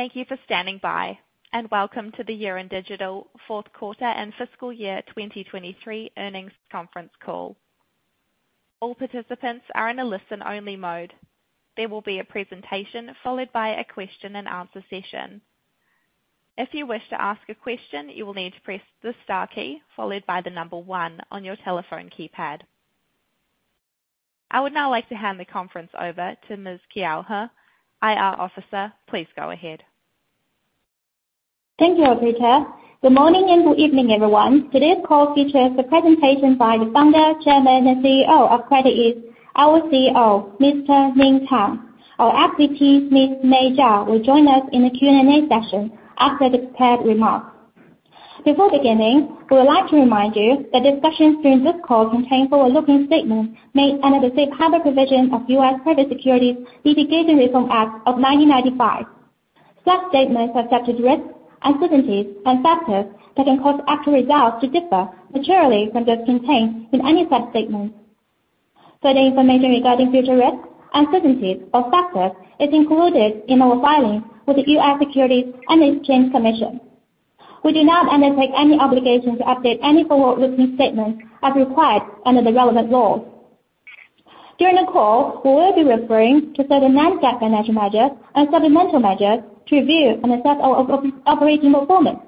Thank you for standing by, and welcome to the Yiren Digital Fourth quarter and fiscal year 2023 earnings conference call. All participants are in a listen-only mode. There will be a presentation followed by a question-and-answer session. If you wish to ask a question, you will need to press the star key followed by the number one on your telephone keypad. I would now like to hand the conference over to Ms. Keyao He, IR officer. Please go ahead. Thank you, Keyao. Good morning and good evening, everyone. Today's call features a presentation by the founder, chairman, and CEO of CreditEase, our CEO, Mr. Ning Tang. Our SVP, Ms. Mei Zhao, will join us in the Q&A session after the prepared remarks. Before beginning, we would like to remind you that discussions during this call contain forward-looking statements made under the safe harbor provision of the U.S. Private Securities Litigation Reform Act of 1995. Such statements are subject to risks, uncertainties, and factors that can cause actual results to differ materially from those contained in any such statements. Further information regarding future risks, uncertainties, or factors is included in our filings with the U.S. Securities and Exchange Commission. We do not undertake any obligation to update any forward-looking statements as required under the relevant laws. During the call, we will be referring to certain non-GAAP financial measures and supplemental measures to review and assess our operating performance.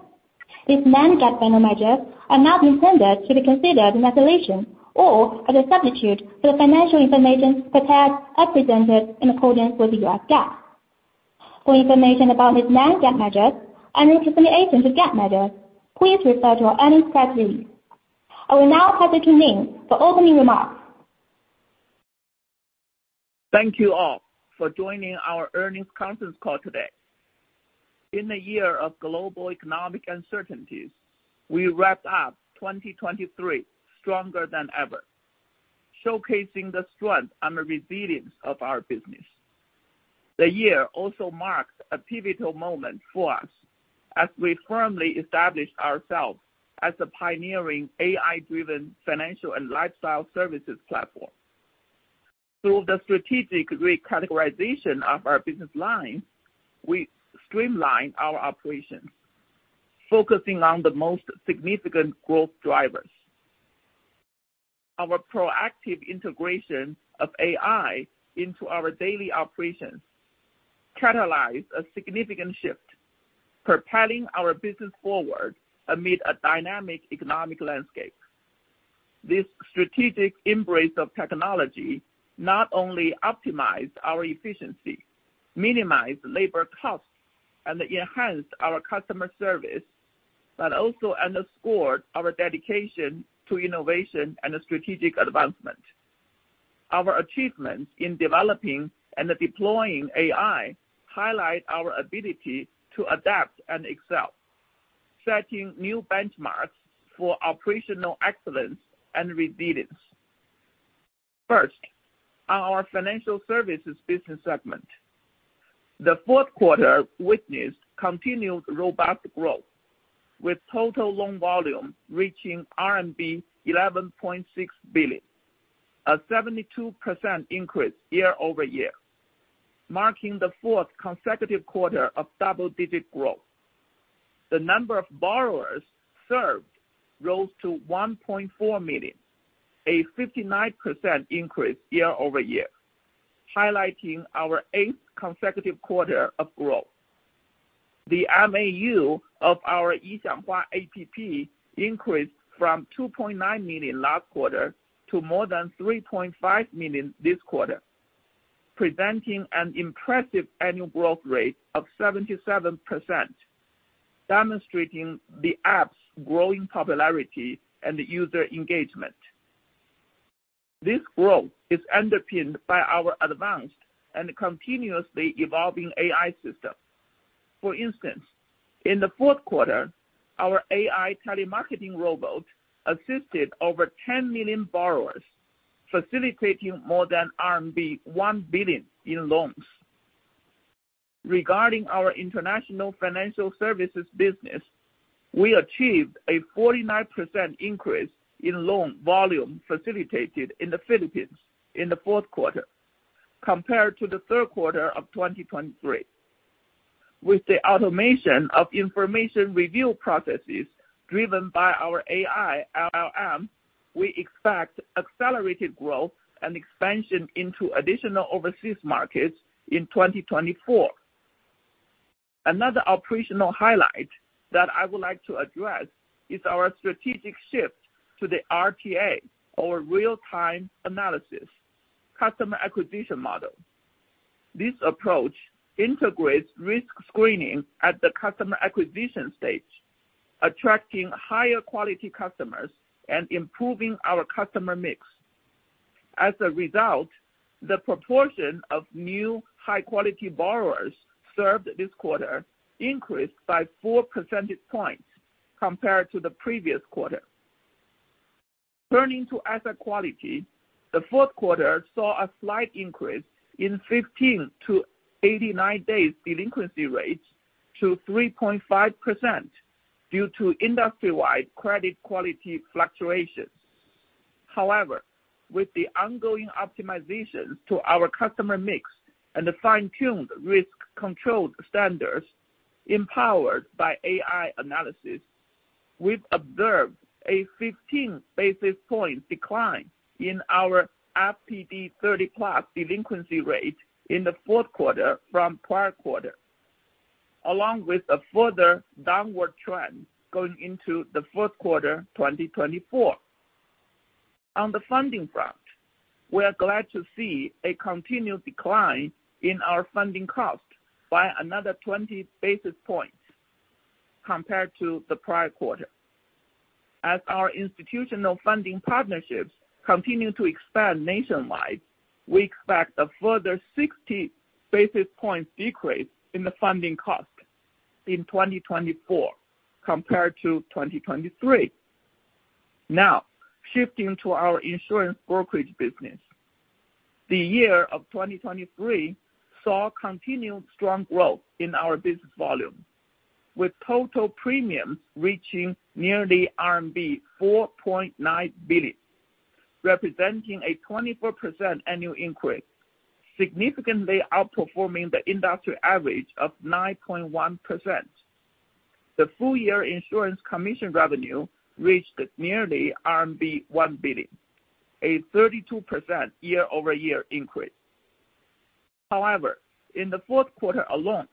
These non-GAAP financial measures are not intended to be considered in isolation or as a substitute for the financial information prepared and presented in accordance with U.S. GAAP. For information about these non-GAAP measures and reconciliations to GAAP measures, please refer to our earnings press release. I will now pass it to Ning for opening remarks. Thank you all for joining our earnings conference call today. In a year of global economic uncertainties, we wrapped up 2023 stronger than ever, showcasing the strength and the resilience of our business. The year also marked a pivotal moment for us as we firmly established ourselves as a pioneering AI-driven financial and lifestyle services platform. Through the strategic recategorization of our business lines, we streamlined our operations, focusing on the most significant growth drivers. Our proactive integration of AI into our daily operations catalyzed a significant shift, propelling our business forward amid a dynamic economic landscape. This strategic embrace of technology not only optimized our efficiency, minimized labor costs, and enhanced our customer service, but also underscored our dedication to innovation and strategic advancement. Our achievements in developing and deploying AI highlight our ability to adapt and excel, setting new benchmarks for operational excellence and resilience. First, on our financial services business segment, the fourth quarter witnessed continued robust growth, with total loan volume reaching RMB 11.6 billion, a 72% increase year-over-year, marking the fourth consecutive quarter of double-digit growth. The number of borrowers served rose to 1.4 million, a 59% increase year-over-year, highlighting our eighth consecutive quarter of growth. The MAU of our Yi Xiang Hua app increased from 2.9 million last quarter to more than 3.5 million this quarter, presenting an impressive annual growth rate of 77%, demonstrating the app's growing popularity and user engagement. This growth is underpinned by our advanced and continuously evolving AI system. For instance, in the fourth quarter, our AI telemarketing robot assisted over 10 million borrowers, facilitating more than RMB 1 billion in loans. Regarding our international financial services business, we achieved a 49% increase in loan volume facilitated in the Philippines in the fourth quarter, compared to the third quarter of 2023. With the automation of information review processes driven by our AI LLM, we expect accelerated growth and expansion into additional overseas markets in 2024. Another operational highlight that I would like to address is our strategic shift to the RTA, or Real-Time Analysis, customer acquisition model. This approach integrates risk screening at the customer acquisition stage, attracting higher-quality customers and improving our customer mix. As a result, the proportion of new high-quality borrowers served this quarter increased by 4 percentage points compared to the previous quarter. Turning to asset quality, the fourth quarter saw a slight increase in 15-to-89 days delinquency rates to 3.5% due to industry-wide credit quality fluctuations. However, with the ongoing optimizations to our customer mix and the fine-tuned risk control standards empowered by AI analysis, we've observed a 15 basis points decline in our FPD 30+ delinquency rate in the fourth quarter from prior quarter, along with a further downward trend going into the fourth quarter 2024. On the funding front, we are glad to see a continued decline in our funding cost by another 20 basis points compared to the prior quarter. As our institutional funding partnerships continue to expand nationwide, we expect a further 60 basis points decrease in the funding cost in 2024 compared to 2023. Now, shifting to our insurance brokerage business, the year of 2023 saw continued strong growth in our business volume, with total premiums reaching nearly RMB 4.9 billion, representing a 24% annual increase, significantly outperforming the industry average of 9.1%. The full-year insurance commission revenue reached nearly RMB 1 billion, a 32% year-over-year increase. However, in the fourth quarter alone,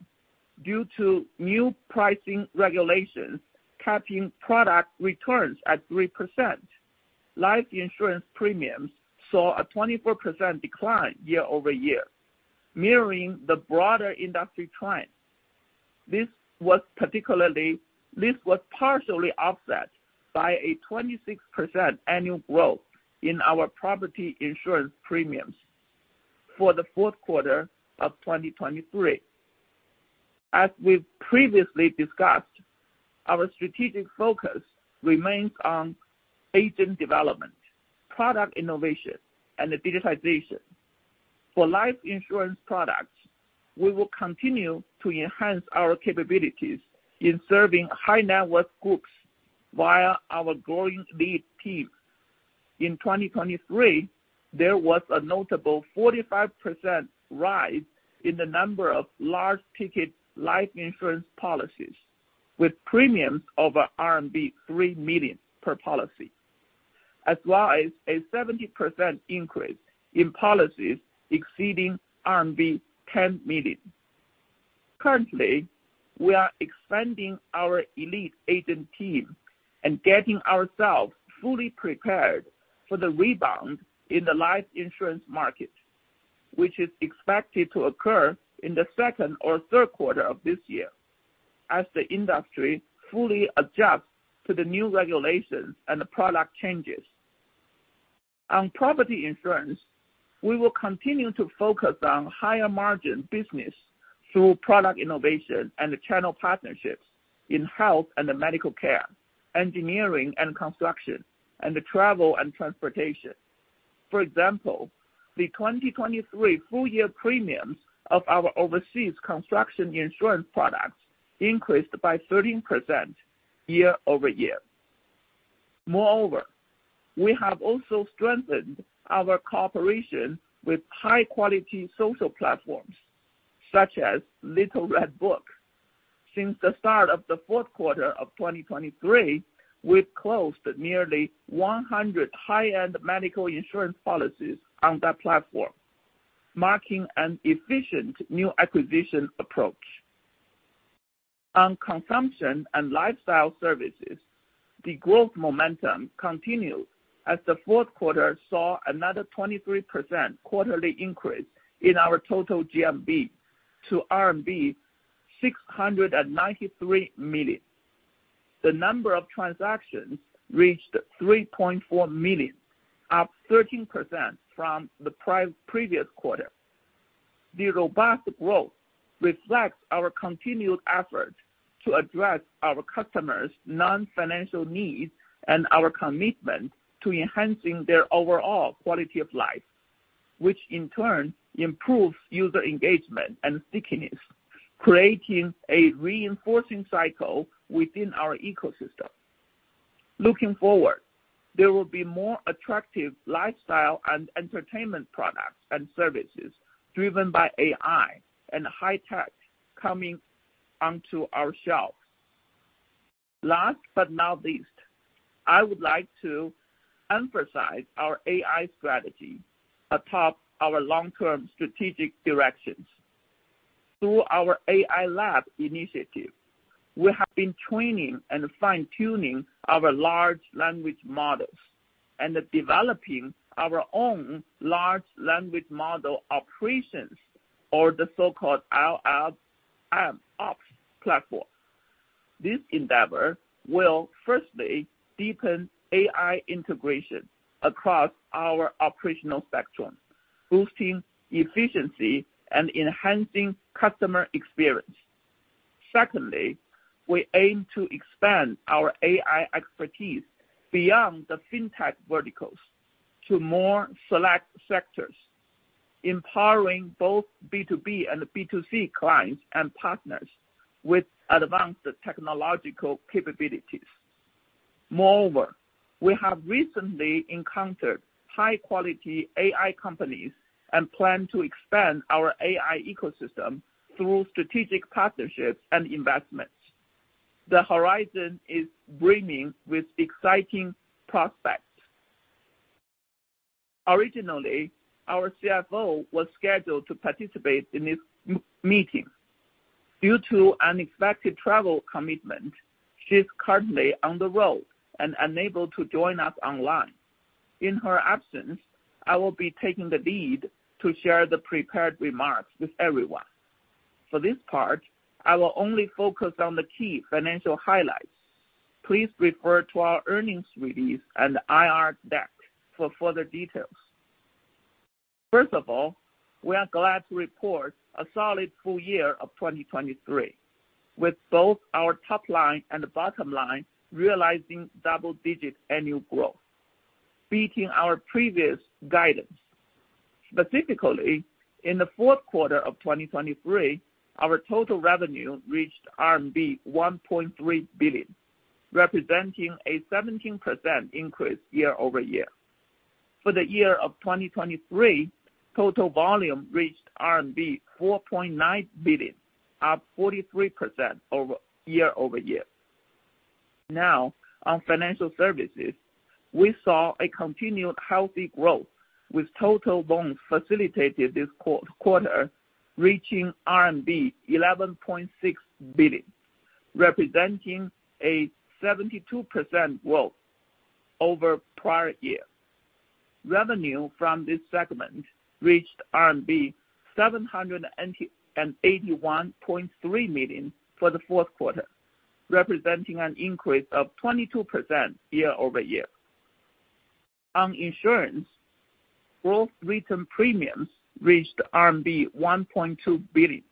due to new pricing regulations capping product returns at 3%, life insurance premiums saw a 24% year-over-year decline, mirroring the broader industry trend. This was partially offset by a 26% annual growth in our property insurance premiums for the fourth quarter of 2023. As we've previously discussed, our strategic focus remains on agent development, product innovation, and digitization. For life insurance products, we will continue to enhance our capabilities in serving high-net-worth groups via our growing lead team. In 2023, there was a notable 45% rise in the number of large-ticket life insurance policies, with premiums over RMB 3 million per policy, as well as a 70% increase in policies exceeding RMB 10 million. Currently, we are expanding our elite agent team and getting ourselves fully prepared for the rebound in the life insurance market, which is expected to occur in the second or third quarter of this year as the industry fully adjusts to the new regulations and product changes. On property insurance, we will continue to focus on higher-margin business through product innovation and channel partnerships in health and medical care, engineering and construction, and travel and transportation. For example, the 2023 full-year premiums of our overseas construction insurance products increased by 13% year-over-year. Moreover, we have also strengthened our cooperation with high-quality social platforms such as Little Red Book. Since the start of the fourth quarter of 2023, we've closed nearly 100 high-end medical insurance policies on that platform, marking an efficient new acquisition approach. On consumption and lifestyle services, the growth momentum continued as the fourth quarter saw another 23% quarterly increase in our total GMV to RMB 693 million. The number of transactions reached 3.4 million, up 13% from the previous quarter. The robust growth reflects our continued efforts to address our customers' non-financial needs and our commitment to enhancing their overall quality of life, which in turn improves user engagement and stickiness, creating a reinforcing cycle within our ecosystem. Looking forward, there will be more attractive lifestyle and entertainment products and services driven by AI and high-tech coming onto our shelves. Last but not least, I would like to emphasize our AI strategy atop our long-term strategic directions. Through our AI Lab initiative, we have been training and fine-tuning our large language models and developing our own large language model operations, or the so-called LLM ops platform. This endeavor will, firstly, deepen AI integration across our operational spectrum, boosting efficiency and enhancing customer experience. Secondly, we aim to expand our AI expertise beyond the fintech verticals to more select sectors, empowering both B2B and B2C clients and partners with advanced technological capabilities. Moreover, we have recently encountered high-quality AI companies and plan to expand our AI ecosystem through strategic partnerships and investments. The horizon is brimming with exciting prospects. Originally, our CFO was scheduled to participate in this meeting. Due to unexpected travel commitment, she's currently on the road and unable to join us online. In her absence, I will be taking the lead to share the prepared remarks with everyone. For this part, I will only focus on the key financial highlights. Please refer to our earnings release and IR deck for further details. First of all, we are glad to report a solid full year of 2023, with both our top line and bottom line realizing double-digit annual growth, beating our previous guidance. Specifically, in the fourth quarter of 2023, our total revenue reached RMB 1.3 billion, representing a 17% year-over-year increase. For the year of 2023, total volume reached RMB 4.9 billion, up 43% year-over-year. Now, on financial services, we saw a continued healthy growth, with total loans facilitated this quarter reaching RMB 11.6 billion, representing a 72% growth over prior year. Revenue from this segment reached RMB 781.3 million for the fourth quarter, representing an increase of 22% year-over-year. On insurance, gross written premiums reached RMB 1.2 billion,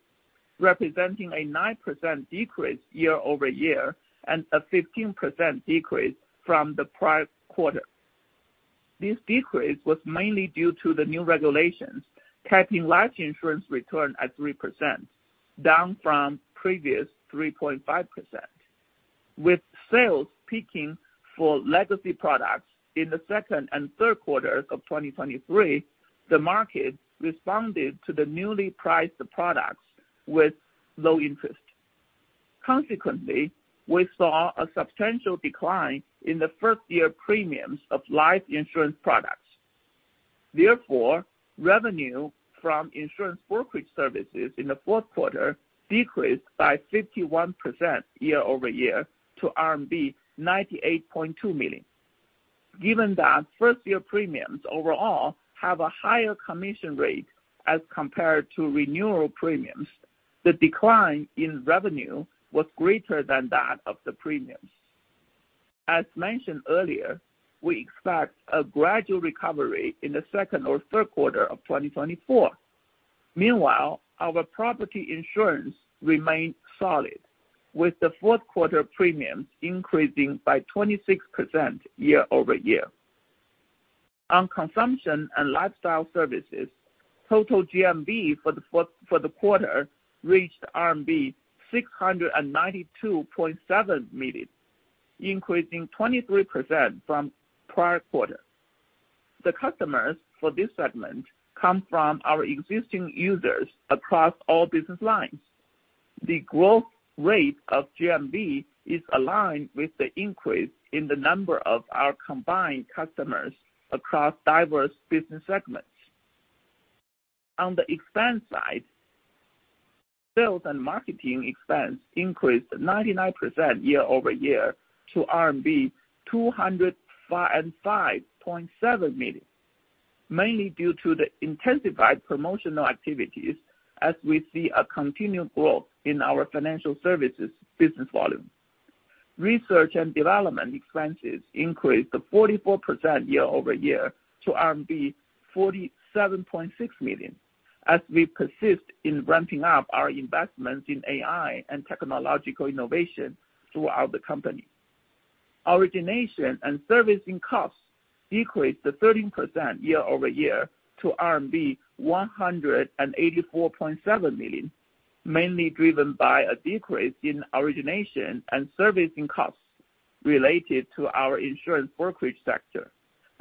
representing a 9% year-over-year decrease and a 15% decrease from the prior quarter. This decrease was mainly due to the new regulations capping life insurance return at 3%, down from previous 3.5%. With sales peaking for legacy products in the second and third quarters of 2023, the market responded to the newly priced products with low interest. Consequently, we saw a substantial decline in the first-year premiums of life insurance products. Therefore, revenue from insurance brokerage services in the fourth quarter decreased by 51% year-over-year to RMB 98.2 million. Given that first-year premiums overall have a higher commission rate as compared to renewal premiums, the decline in revenue was greater than that of the premiums. As mentioned earlier, we expect a gradual recovery in the second or third quarter of 2024. Meanwhile, our property insurance remained solid, with the fourth quarter premiums increasing by 26% year-over-year. On consumption and lifestyle services, total GMV for the quarter reached RMB 692.7 million, increasing 23% from prior quarter. The customers for this segment come from our existing users across all business lines. The growth rate of GMV is aligned with the increase in the number of our combined customers across diverse business segments. On the expense side, sales and marketing expense increased 99% year-over-year to RMB 205.7 million, mainly due to the intensified promotional activities as we see a continued growth in our financial services business volume. Research and development expenses increased 44% year-over-year to RMB 47.6 million as we persist in ramping up our investments in AI and technological innovation throughout the company. Origination and servicing costs decreased 13% year-over-year to RMB 184.7 million, mainly driven by a decrease in origination and servicing costs related to our insurance brokerage sector,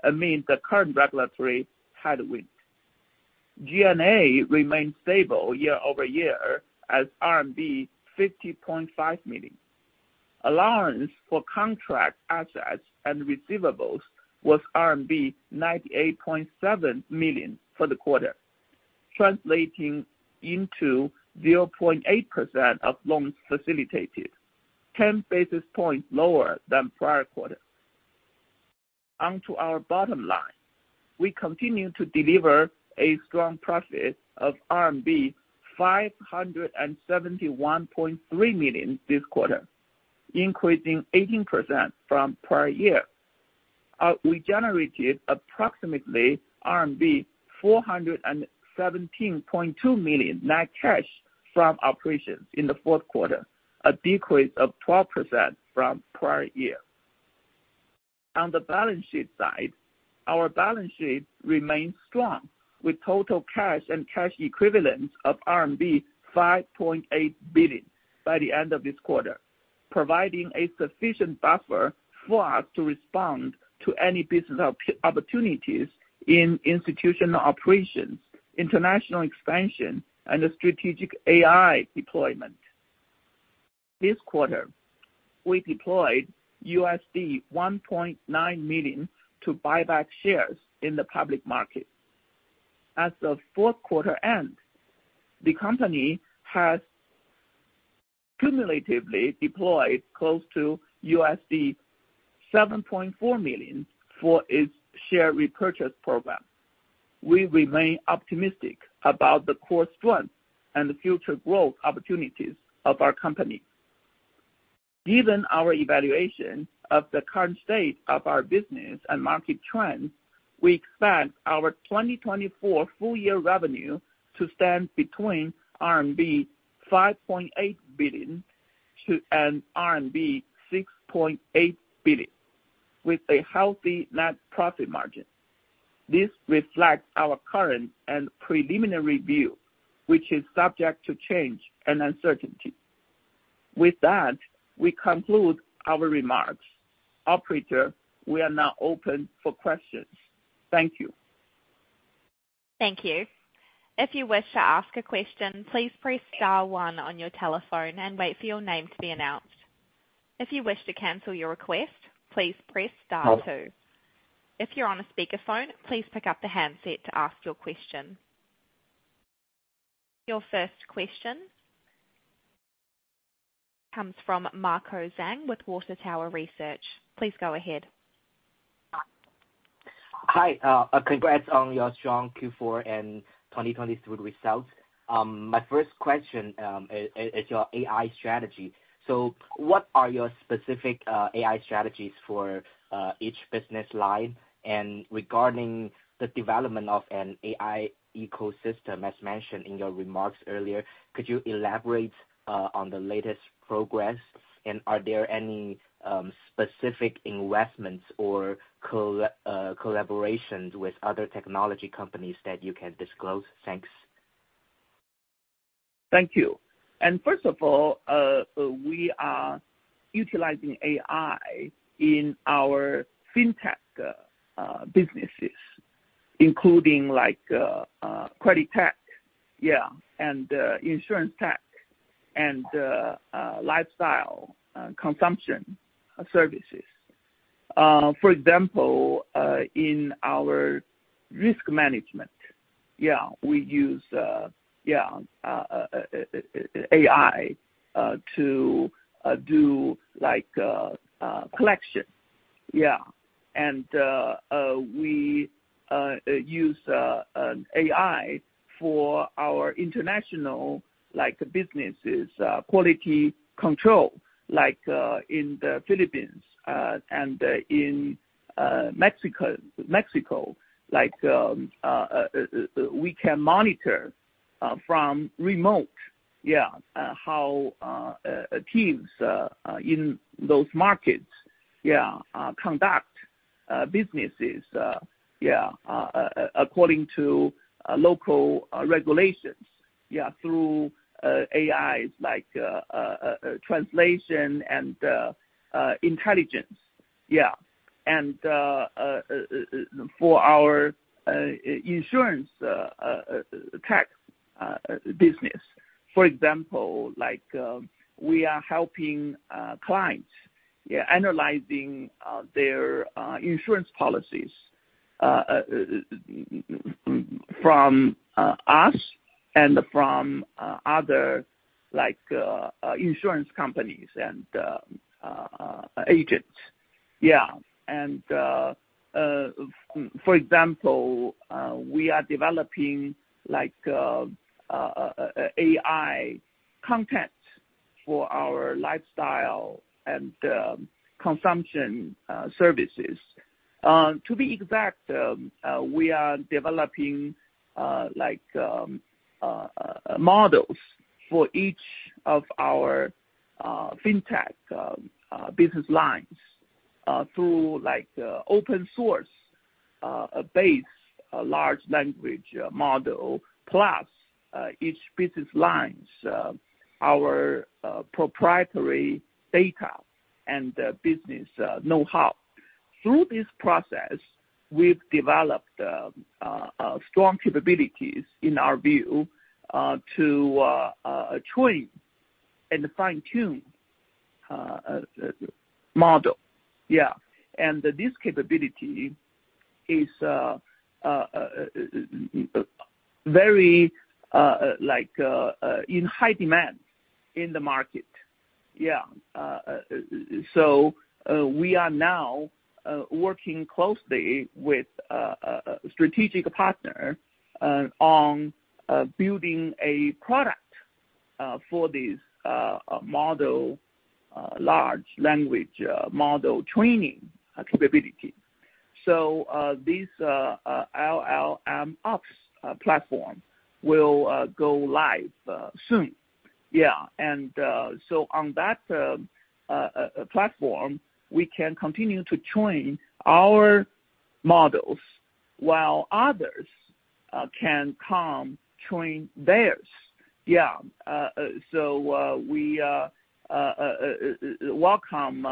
amid the current regulatory headwind. G&A remained stable year-over-year as RMB 50.5 million. Allowance for contract assets and receivables was RMB 98.7 million for the quarter, translating into 0.8% of loans facilitated, 10 basis points lower than prior quarter. Onto our bottom line, we continue to deliver a strong profit of RMB 571.3 million this quarter, increasing 18% from prior year. We generated approximately RMB 417.2 million net cash from operations in the fourth quarter, a decrease of 12% from prior year. On the balance sheet side, our balance sheet remained strong, with total cash and cash equivalents of RMB 5.8 billion by the end of this quarter, providing a sufficient buffer for us to respond to any business opportunities in institutional operations, international expansion, and strategic AI deployment. This quarter, we deployed $1.9 million to buy back shares in the public market. As the fourth quarter ends, the company has cumulatively deployed close to $7.4 million for its share repurchase program. We remain optimistic about the core strengths and future growth opportunities of our company. Given our evaluation of the current state of our business and market trends, we expect our 2024 full-year revenue to stand between 5.8 billion-6.8 billion RMB, with a healthy net profit margin. This reflects our current and preliminary view, which is subject to change and uncertainty. With that, we conclude our remarks. Operator, we are now open for questions. Thank you. Thank you. If you wish to ask a question, please press star one on your telephone and wait for your name to be announced. If you wish to cancel your request, please press star two. If you're on a speakerphone, please pick up the handset to ask your question. Your first question comes from Marco Zhang with Water Tower Research. Please go ahead. Hi. Congrats on your strong Q4 and 2023 results. My first question is your AI strategy. So what are your specific AI strategies for each business line? And regarding the development of an AI ecosystem, as mentioned in your remarks earlier, could you elaborate on the latest progress? And are there any specific investments or collaborations with other technology companies that you can disclose? Thanks. Thank you. First of all, we are utilizing AI in our fintech businesses, including credit tech, yeah, and insurance tech, and lifestyle consumption services. For example, in our risk management, yeah, we use AI to do collection, yeah. We use AI for our international businesses' quality control, like in the Philippines and in Mexico. We can monitor remotely, yeah, how teams in those markets, yeah, conduct businesses, yeah, according to local regulations, yeah, through AIs like translation and intelligence, yeah, and for our insurance tech business. For example, we are helping clients, yeah, analyzing their insurance policies from us and from other insurance companies and agents, yeah. For example, we are developing AI content for our lifestyle and consumption services. To be exact, we are developing models for each of our fintech business lines through open-source-based large language model plus each business line's proprietary data and business know-how. Through this process, we've developed strong capabilities, in our view, to train and fine-tune a model, yeah. And this capability is very in high demand in the market, yeah. So we are now working closely with a strategic partner on building a product for this large language model training capability. So this LLMOps platform will go live soon, yeah. And so on that platform, we can continue to train our models while others can come train theirs, yeah. So we welcome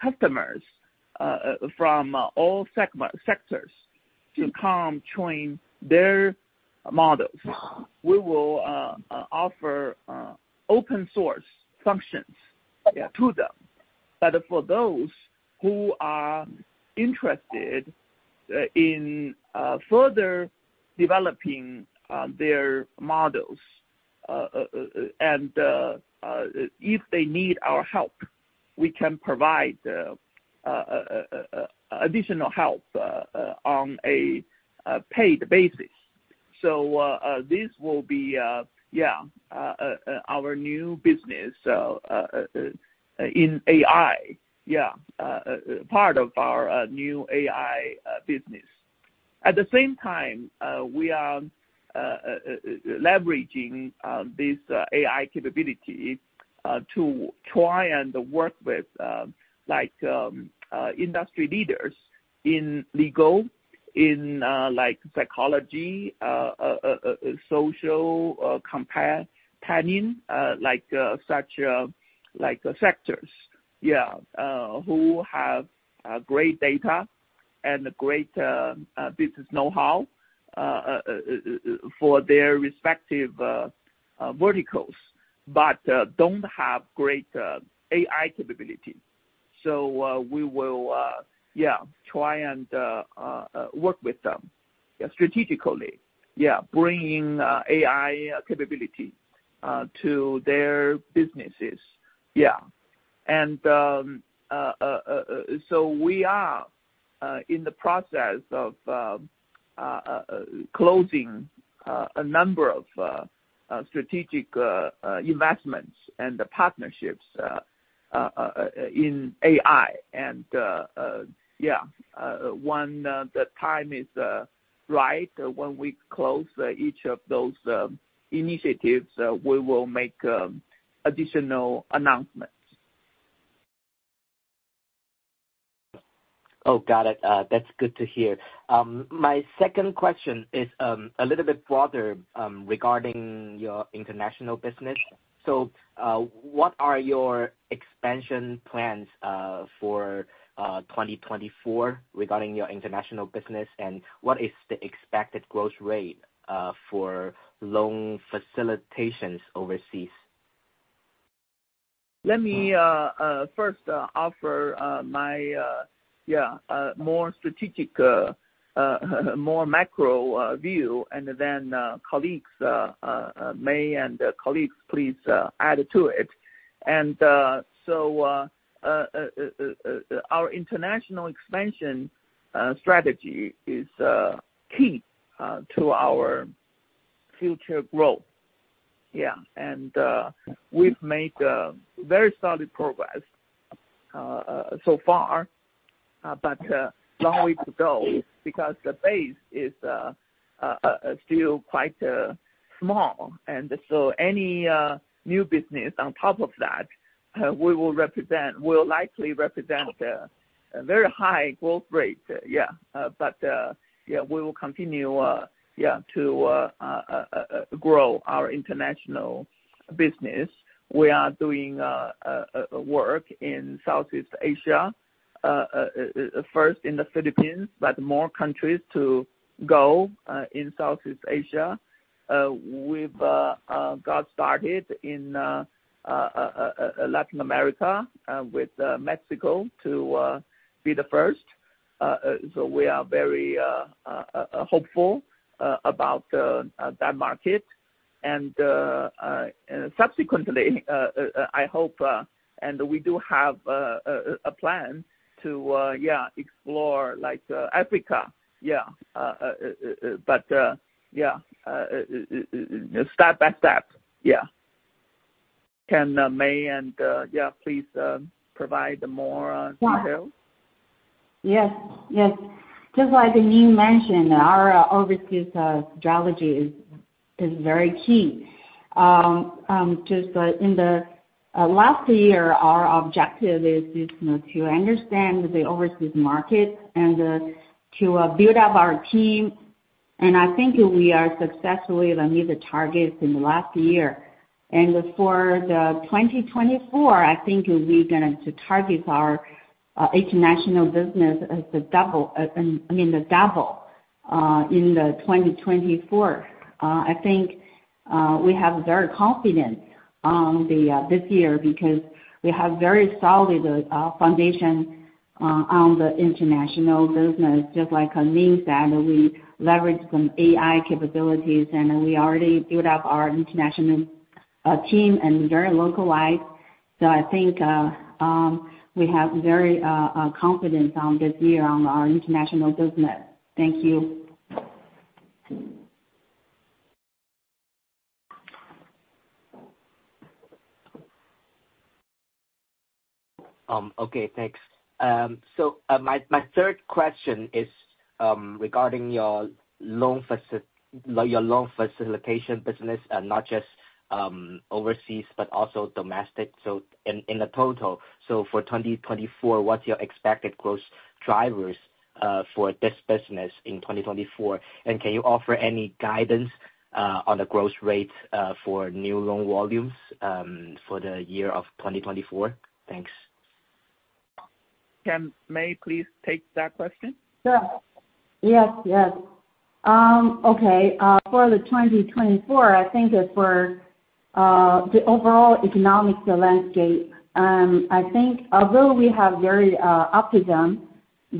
customers from all sectors to come train their models. We will offer open-source functions to them. But for those who are interested in further developing their models and if they need our help, we can provide additional help on a paid basis. So this will be, yeah, our new business in AI, yeah, part of our new AI business. At the same time, we are leveraging this AI capability to try and work with industry leaders in legal, in psychology, social companion-like sectors, yeah, who have great data and great business know-how for their respective verticals but don't have great AI capability. So we will, yeah, try and work with them, yeah, strategically, yeah, bringing AI capability to their businesses, yeah. And so we are in the process of closing a number of strategic investments and partnerships in AI. And yeah, when the time is right, when we close each of those initiatives, we will make additional announcements. Oh, got it. That's good to hear. My second question is a little bit broader regarding your international business. So what are your expansion plans for 2024 regarding your international business, and what is the expected growth rate for loan facilitations overseas? Let me first offer my, yeah, more strategic, more macro view, and then colleagues, Mei and colleagues, please add to it. So our international expansion strategy is key to our future growth, yeah. We've made very solid progress so far, but long way to go because the base is still quite small. Any new business on top of that, we will likely represent a very high growth rate, yeah. But yeah, we will continue, yeah, to grow our international business. We are doing work in Southeast Asia, first in the Philippines, but more countries to go in Southeast Asia. We've got started in Latin America with Mexico to be the first. So we are very hopeful about that market. Subsequently, I hope, and we do have a plan to, yeah, explore Africa, yeah, but yeah, step by step, yeah. Can Mei, and yeah, please provide more details? Yes. Yes. Just like you mentioned, our overseas strategy is very key. Just in the last year, our objective is to understand the overseas market and to build up our team. I think we are successfully meeting the targets in the last year. For the 2024, I think we're going to target our international business as the double, I mean, the double in the 2024. I think we have very confidence this year because we have very solid foundation on the international business. Just like Ning said, we leverage some AI capabilities, and we already built up our international team and very localized. So I think we have very confidence this year on our international business. Thank you. Okay. Thanks. So my third question is regarding your loan facilitation business, not just overseas but also domestic, so in the total. So for 2024, what's your expected growth drivers for this business in 2024? And can you offer any guidance on the growth rate for new loan volumes for the year of 2024? Thanks. Na Mei, please, take that question? Sure. Yes. Yes. Okay. For the 2024, I think for the overall economic landscape, I think although we have very optimism,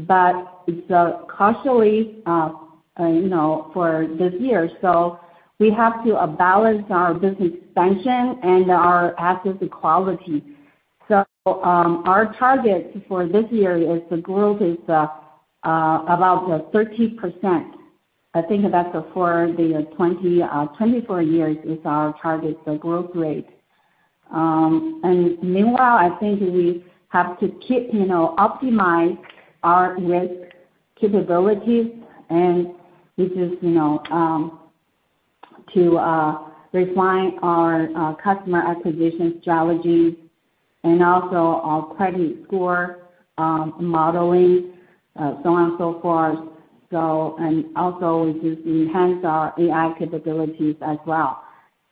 but it's costly for this year. So we have to balance our business expansion and our asset quality. So our target for this year is the growth is about 30%. I think that's for the 2024 year is our target, the growth rate. And meanwhile, I think we have to optimize our risk capabilities, which is to refine our customer acquisition strategy and also our credit score modeling, so on and so forth, so. And also, we just enhance our AI capabilities as well.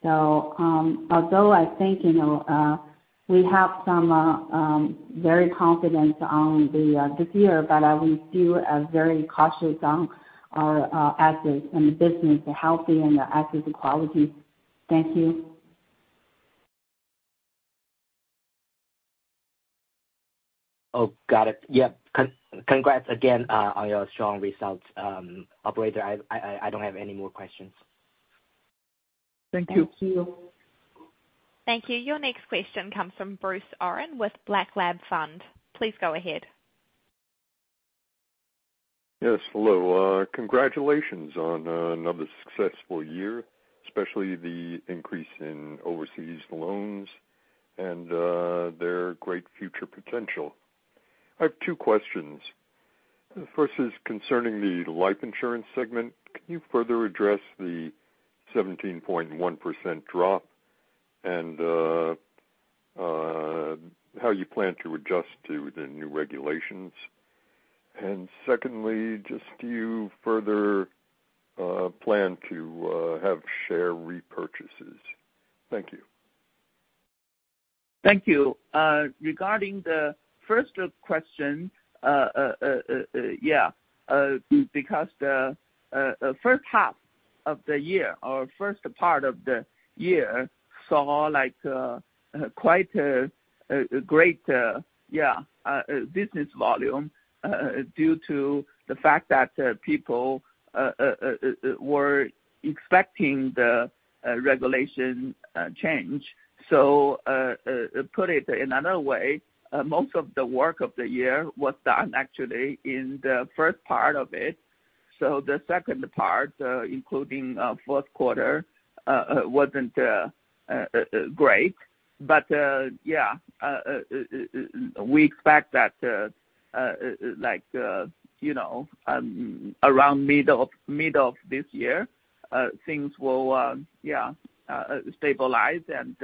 So although I think we have some very confidence this year, but we're still very cautious on our assets and the business health and asset quality. Thank you. Oh, got it. Yep. Congrats again on your strong results, operator. I don't have any more questions. Thank you. Thank you. Thank you. Your next question comes from Bruce Orrin with Black Lab Fund. Please go ahead. Yes. Hello. Congratulations on another successful year, especially the increase in overseas loans and their great future potential. I have two questions. The first is concerning the life insurance segment. Can you further address the 17.1% drop and how you plan to adjust to the new regulations? And secondly, just do you further plan to have share repurchases? Thank you. Thank you. Regarding the first question, yeah, because the first half of the year or first part of the year saw quite a great, yeah, business volume due to the fact that people were expecting the regulation change. So put it another way, most of the work of the year was done, actually, in the first part of it. So the second part, including fourth quarter, wasn't great. But yeah, we expect that around middle of this year, things will, yeah, stabilize and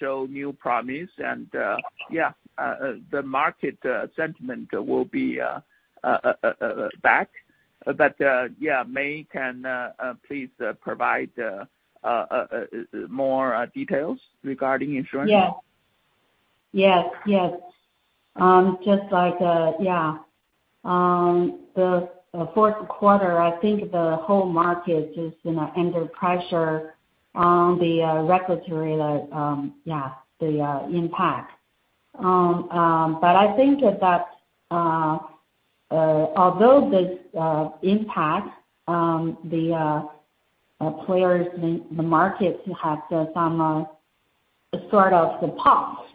show new promise. And yeah, the market sentiment will be back. But yeah, Mei, can please provide more details regarding insurance? Yes. Yes. Yes. Just like, yeah, the fourth quarter, I think the whole market is under pressure on the regulatory, yeah, the impact. But I think that although this impact, the players, the market, have some sort of the pop.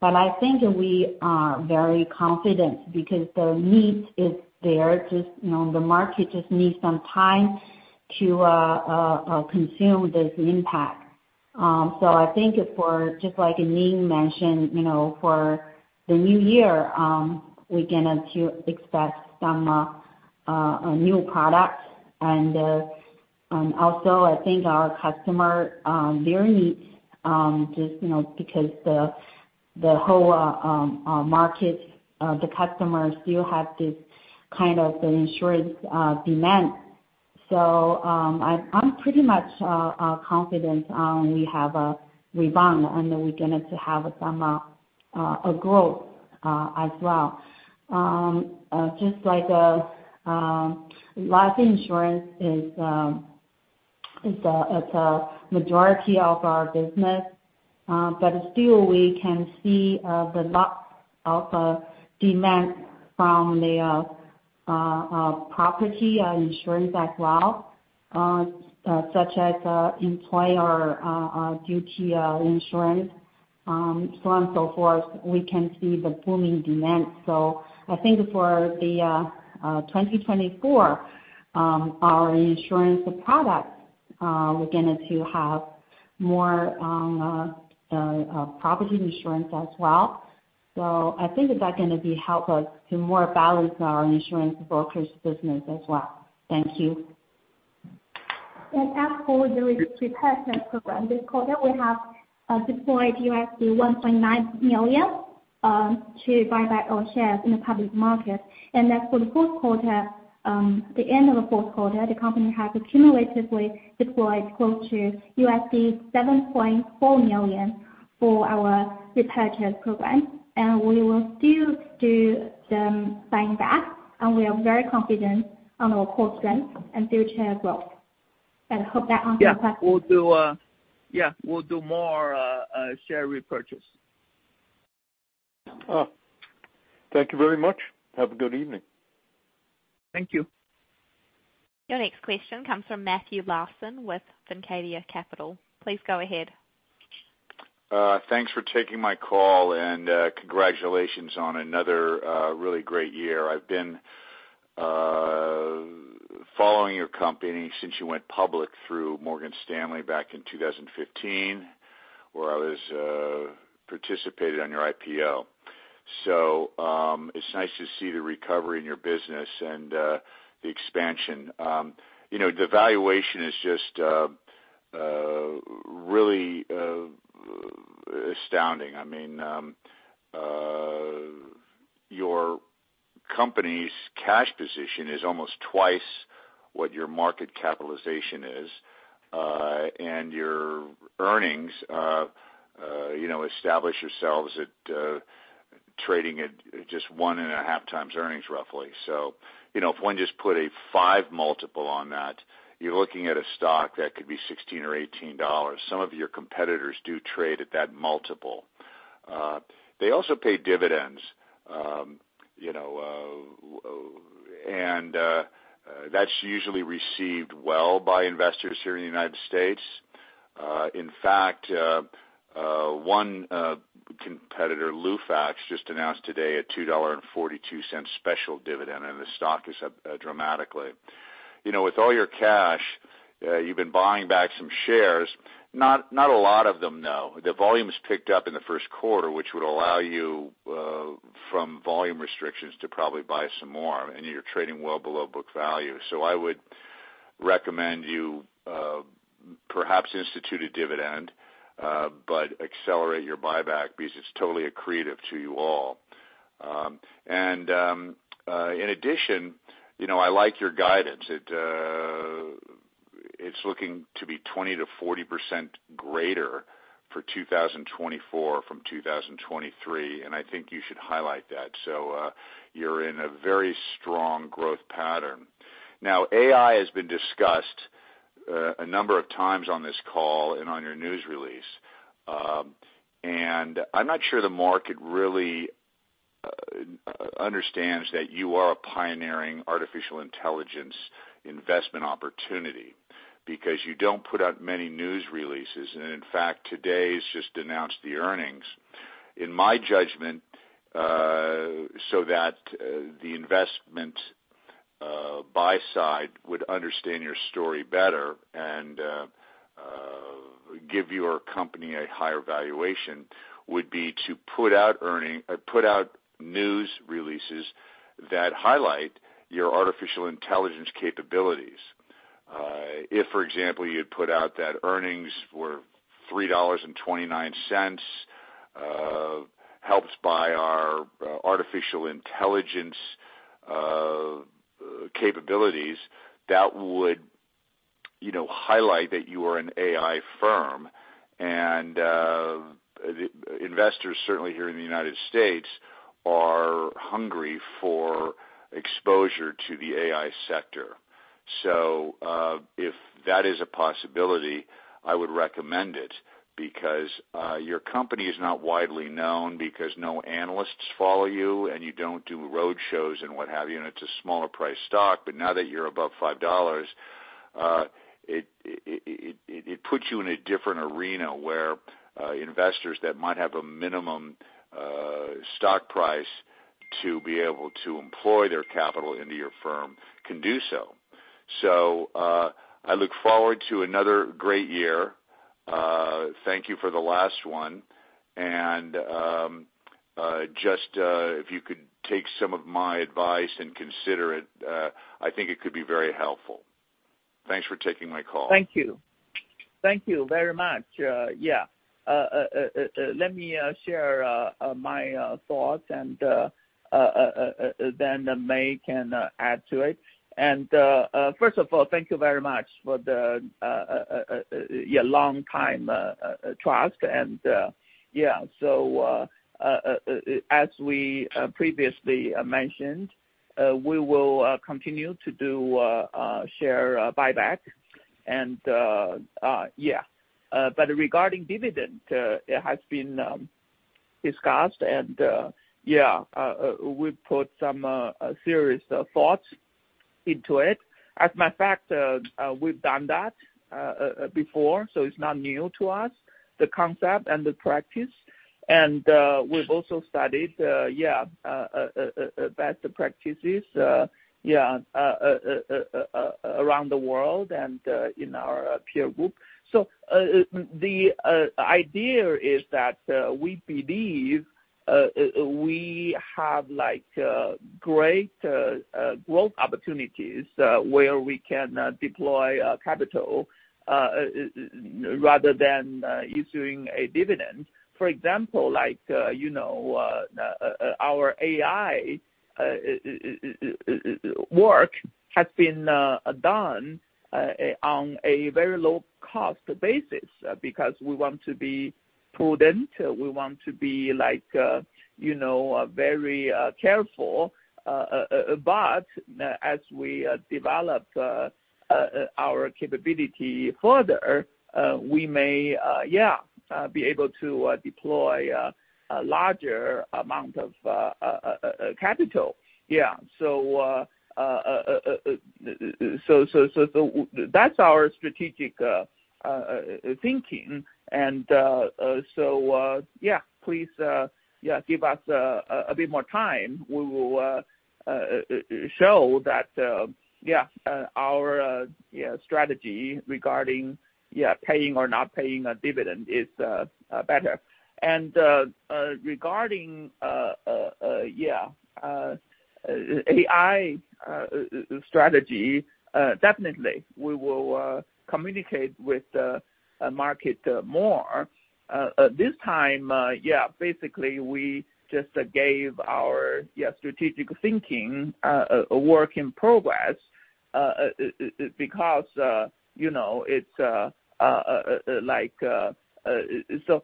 But I think we are very confident because the need is there. The market just needs some time to consume this impact. So I think for just like Ning mentioned, for the new year, we're going to expect some new products. And also, I think our customer, their needs, just because the whole market, the customers still have this kind of insurance demand. So I'm pretty much confident we have a rebound and that we're going to have some growth as well. Just like life insurance, it's a majority of our business. But still, we can see a lot of demand from the property insurance as well, such as employer duty insurance, so on and so forth. We can see the booming demand. So I think for 2024, our insurance products, we're going to have more property insurance as well. So I think that's going to help us to more balance our insurance brokerage business as well. Thank you. As for the repurchase program, this quarter, we have deployed $1.9 million to buy back our shares in the public market. As for the fourth quarter, the end of the fourth quarter, the company has accumulatively deployed close to $7.4 million for our repurchase program. We will still do the buying back, and we are very confident on our core strength and future growth. I hope that answers your question. Yeah. We'll do more share repurchase. Thank you very much. Have a good evening. Thank you. Your next question comes from Matthew Larson with Fincadia Capital. Please go ahead. Thanks for taking my call, and congratulations on another really great year. I've been following your company since you went public through Morgan Stanley back in 2015, where I participated on your IPO. So it's nice to see the recovery in your business and the expansion. The valuation is just really astounding. I mean, your company's cash position is almost twice what your market capitalization is. And your earnings establish yourselves at trading at just 1.5x earnings, roughly. So if one just put a 5x multiple on that, you're looking at a stock that could be $16 or $18. Some of your competitors do trade at that multiple. They also pay dividends, and that's usually received well by investors here in the United States. In fact, one competitor, Lufax, just announced today a $2.42 special dividend, and the stock is up dramatically. With all your cash, you've been buying back some shares. Not a lot of them, though. The volume has picked up in the first quarter, which would allow you, from volume restrictions, to probably buy some more. You're trading well below book value. I would recommend you perhaps institute a dividend but accelerate your buyback because it's totally accretive to you all. In addition, I like your guidance. It's looking to be 20%-40% greater for 2024 from 2023, and I think you should highlight that. You're in a very strong growth pattern. Now, AI has been discussed a number of times on this call and on your news release. I'm not sure the market really understands that you are a pioneering artificial intelligence investment opportunity because you don't put out many news releases. In fact, today's just announced the earnings. In my judgment, so that the investment buy side would understand your story better and give your company a higher valuation, would be to put out news releases that highlight your artificial intelligence capabilities. If, for example, you'd put out that earnings were $3.29, helps buy our artificial intelligence capabilities, that would highlight that you are an AI firm. And investors, certainly here in the United States, are hungry for exposure to the AI sector. So if that is a possibility, I would recommend it because your company is not widely known because no analysts follow you, and you don't do roadshows and what have you. And it's a smaller-priced stock. But now that you're above $5, it puts you in a different arena where investors that might have a minimum stock price to be able to employ their capital into your firm can do so. I look forward to another great year. Thank you for the last one. Just if you could take some of my advice and consider it, I think it could be very helpful. Thanks for taking my call. Thank you. Thank you very much. Yeah. Let me share my thoughts, and then Mei can add to it. First of all, thank you very much for the, yeah, long-time trust. Yeah, so as we previously mentioned, we will continue to do share buyback. But regarding dividend, it has been discussed. Yeah, we put some serious thoughts into it. As a matter of fact, we've done that before, so it's not new to us, the concept and the practice. We've also studied, yeah, best practices, yeah, around the world and in our peer group. So the idea is that we believe we have great growth opportunities where we can deploy capital rather than issuing a dividend. For example, our AI work has been done on a very low-cost basis because we want to be prudent. We want to be very careful. But as we develop our capability further, we may, yeah, be able to deploy a larger amount of capital. Yeah. That's our strategic thinking. So yeah, please, yeah, give us a bit more time. We will show that, yeah, our, yeah, strategy regarding, yeah, paying or not paying a dividend is better. Regarding, yeah, AI strategy, definitely, we will communicate with the market more. This time, yeah, basically, we just gave our, yeah, strategic thinking a work in progress because it's like so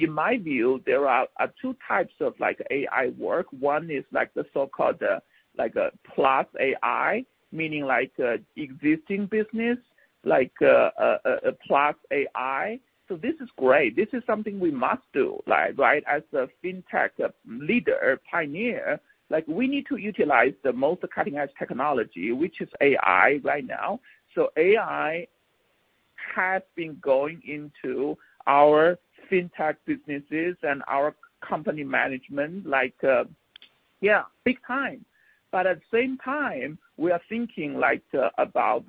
in my view, there are two types of AI work. One is the so-called plus AI, meaning existing business, plus AI. So this is great. This is something we must do, right? As a fintech leader, pioneer, we need to utilize the most cutting-edge technology, which is AI right now. So AI has been going into our fintech businesses and our company management, yeah, big time. But at the same time, we are thinking about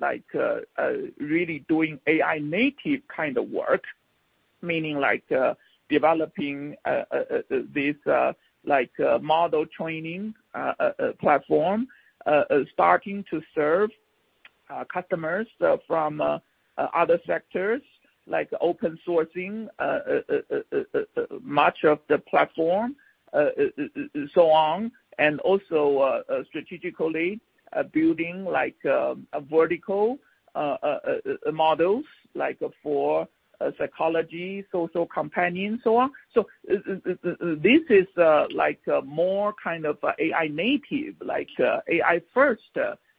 really doing AI-native kind of work, meaning developing this model training platform, starting to serve customers from other sectors, like open sourcing, much of the platform, so on. And also strategically building vertical models for psychology, social companions, so on. So this is more kind of AI-native, AI-first,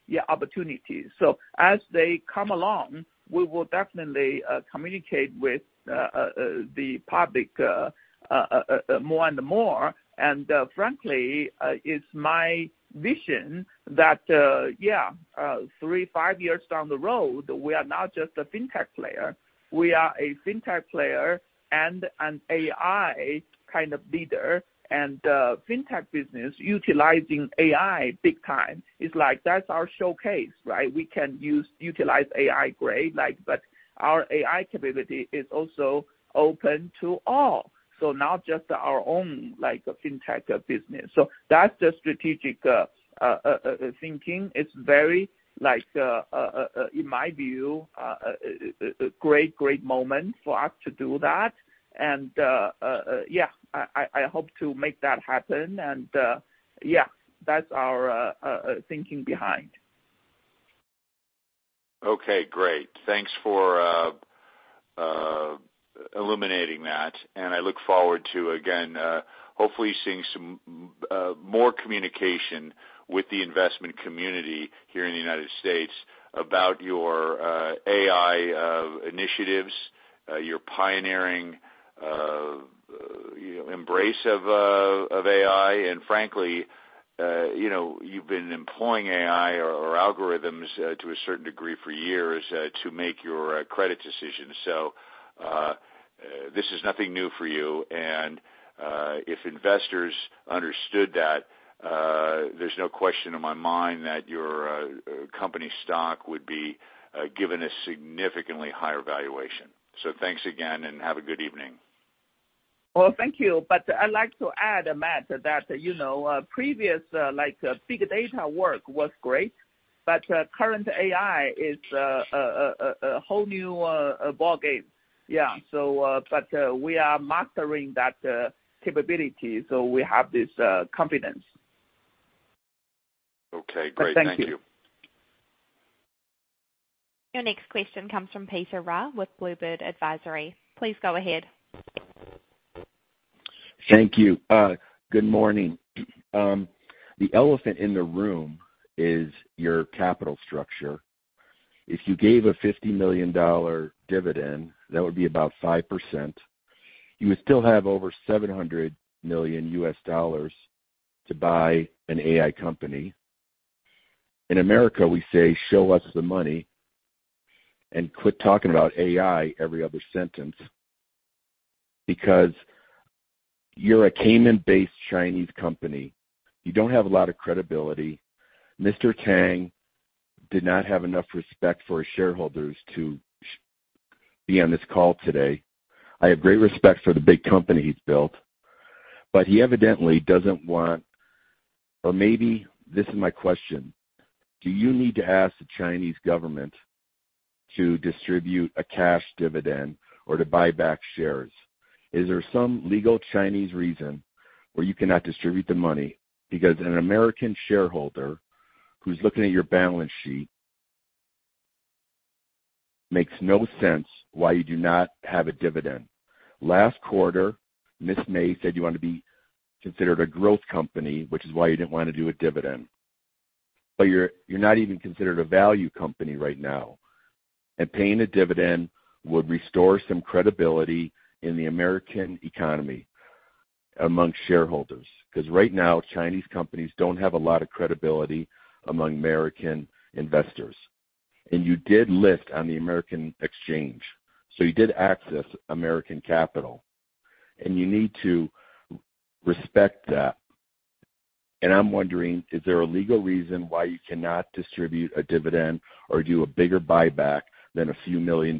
yeah, opportunities. So as they come along, we will definitely communicate with the public more and more. And frankly, it's my vision that, yeah, 3, 5 years down the road, we are not just a fintech player. We are a fintech player and an AI kind of leader. And fintech business utilizing AI big time. It's like that's our showcase, right? We can utilize AI greatly, but our AI capability is also open to all, so not just our own fintech business. So that's the strategic thinking. It's very, in my view, a great, great moment for us to do that. And yeah, I hope to make that happen. And yeah, that's our thinking behind. Okay. Great. Thanks for illuminating that. I look forward to, again, hopefully seeing some more communication with the investment community here in the United States about your AI initiatives, your pioneering embrace of AI. Frankly, you've been employing AI or algorithms to a certain degree for years to make your credit decisions. So this is nothing new for you. If investors understood that, there's no question in my mind that your company's stock would be given a significantly higher valuation. So thanks again, and have a good evening. Well, thank you. But I'd like to add, Matt, that previous big data work was great, but current AI is a whole new ballgame. Yeah. But we are mastering that capability, so we have this confidence. Okay. Great. Thank you. Thank you. Your next question comes from Peter Ruh with Bluebird Advisory. Please go ahead. Thank you. Good morning. The elephant in the room is your capital structure. If you gave a $50 million dividend, that would be about 5%. You would still have over $700 million to buy an AI company. In America, we say, "Show us the money," and quit talking about AI every other sentence because you're a Cayman-based Chinese company. You don't have a lot of credibility. Mr. Tang did not have enough respect for his shareholders to be on this call today. I have great respect for the big company he's built, but he evidently doesn't want or maybe this is my question. Do you need to ask the Chinese government to distribute a cash dividend or to buy back shares? Is there some legal Chinese reason where you cannot distribute the money? Because an American shareholder who's looking at your balance sheet makes no sense why you do not have a dividend. Last quarter, Ms. Mei said you wanted to be considered a growth company, which is why you didn't want to do a dividend. You're not even considered a value company right now. Paying a dividend would restore some credibility in the American economy among shareholders because right now, Chinese companies don't have a lot of credibility among American investors. You did list on the American exchange, so you did access American capital. You need to respect that. I'm wondering, is there a legal reason why you cannot distribute a dividend or do a bigger buyback than $a few million?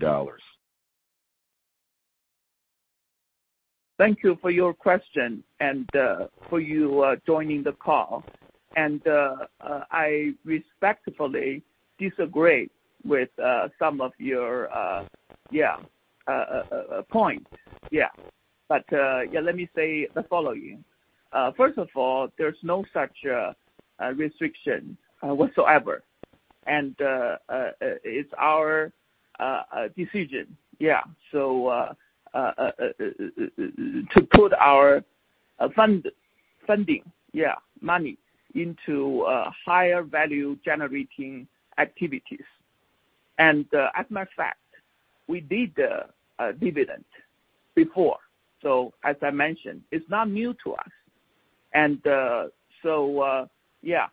Thank you for your question and for you joining the call. I respectfully disagree with some of your, yeah, points. Yeah. But yeah, let me say the following. First of all, there's no such restriction whatsoever. It's our decision, yeah, to put our funding, yeah, money into higher-value-generating activities. As a matter of fact, we did a dividend before. So as I mentioned, it's not new to us. And so yeah.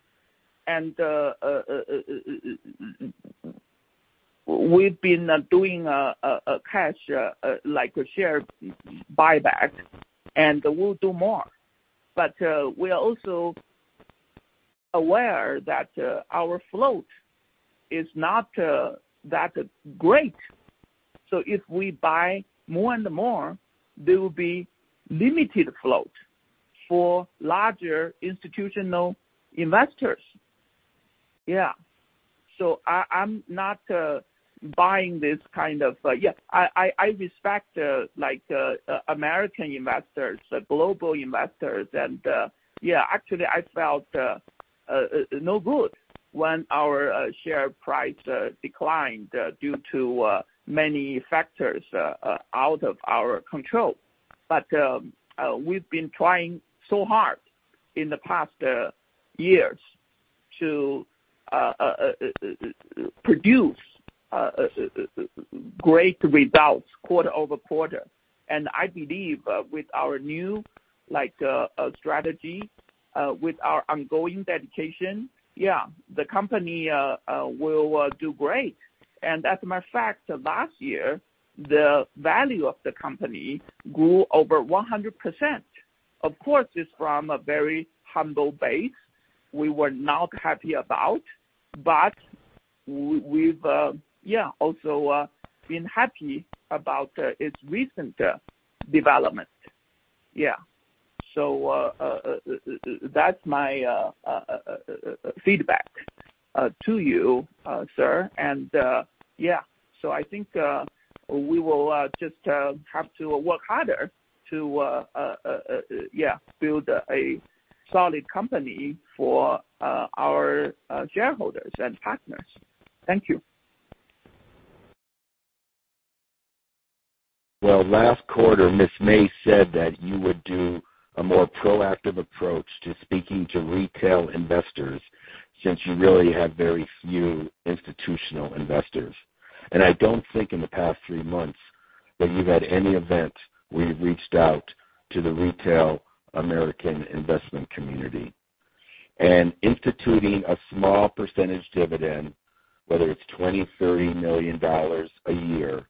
We've been doing a cash share buyback, and we'll do more. We are also aware that our float is not that great. So if we buy more and more, there will be limited float for larger institutional investors. Yeah. I'm not buying this kind of yeah. I respect American investors, global investors. Yeah, actually, I felt no good when our share price declined due to many factors out of our control. But we've been trying so hard in the past years to produce great results quarter over quarter. And I believe with our new strategy, with our ongoing dedication, yeah, the company will do great. And as a matter of fact, last year, the value of the company grew over 100%. Of course, it's from a very humble base we were not happy about. But we've, yeah, also been happy about its recent development. Yeah. So that's my feedback to you, sir. And yeah. So I think we will just have to work harder to, yeah, build a solid company for our shareholders and partners. Thank you. Well, last quarter, Ms. Mei said that you would do a more proactive approach to speaking to retail investors since you really have very few institutional investors. I don't think in the past three months that you've had any event where you've reached out to the retail American investment community. Instituting a small percentage dividend, whether it's $20 million-$30 million a year,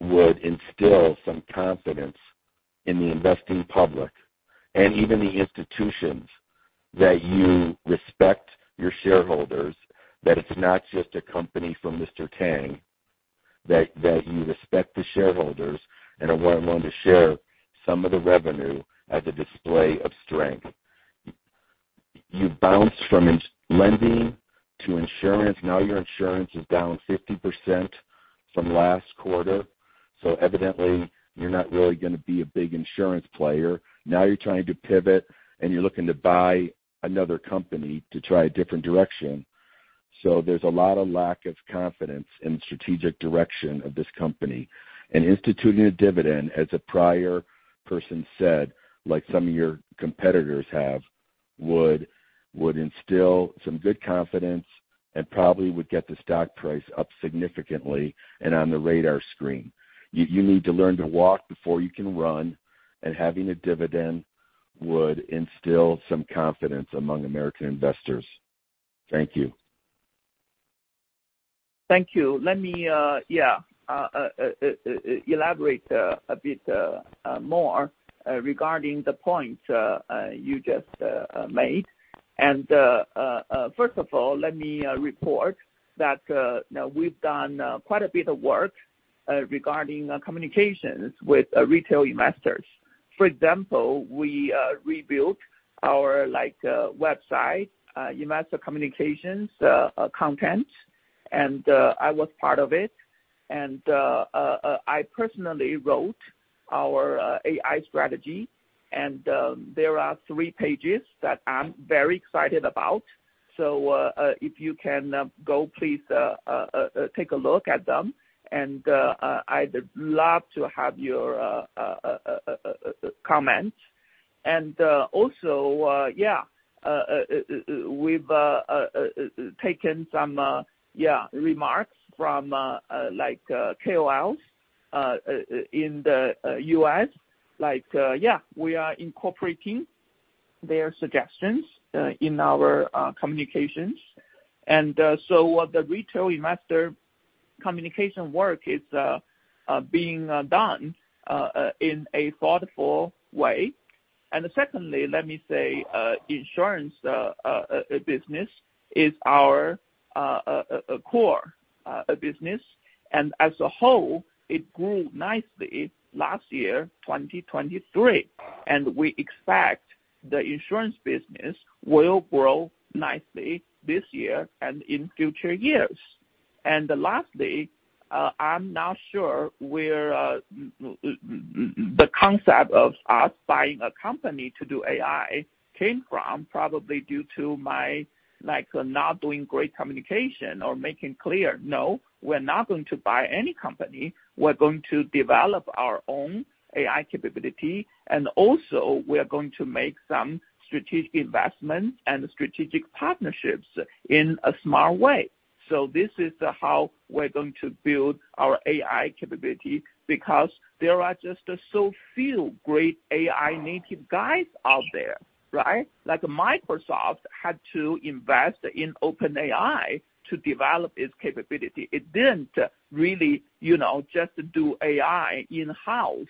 would instill some confidence in the investing public and even the institutions that you respect your shareholders, that it's not just a company for Mr. Tang, that you respect the shareholders and are willing to share some of the revenue as a display of strength. You bounced from lending to insurance. Now your insurance is down 50% from last quarter. So evidently, you're not really going to be a big insurance player. Now you're trying to pivot, and you're looking to buy another company to try a different direction. So there's a lot of lack of confidence in the strategic direction of this company. And instituting a dividend, as a prior person said, like some of your competitors have, would instill some good confidence and probably would get the stock price up significantly and on the radar screen. You need to learn to walk before you can run, and having a dividend would instill some confidence among American investors. Thank you. Thank you. Let me, yeah, elaborate a bit more regarding the point you just made. First of all, let me report that we've done quite a bit of work regarding communications with retail investors. For example, we rebuilt our website, investor communications content, and I was part of it. I personally wrote our AI strategy. There are three pages that I'm very excited about. So if you can go, please take a look at them. I'd love to have your comments. Also, yeah, we've taken some, yeah, remarks from KOLs in the U.S. Yeah, we are incorporating their suggestions in our communications. And so what the retail investor communication work is being done in a thoughtful way. Secondly, let me say insurance business is our core business. As a whole, it grew nicely last year, 2023. We expect the insurance business will grow nicely this year and in future years. Lastly, I'm not sure where the concept of us buying a company to do AI came from, probably due to my not doing great communication or making clear, "No, we're not going to buy any company. We're going to develop our own AI capability. And also, we are going to make some strategic investments and strategic partnerships in a smart way." So this is how we're going to build our AI capability because there are just so few great AI-native guys out there, right? Microsoft had to invest in OpenAI to develop its capability. It didn't really just do AI in-house.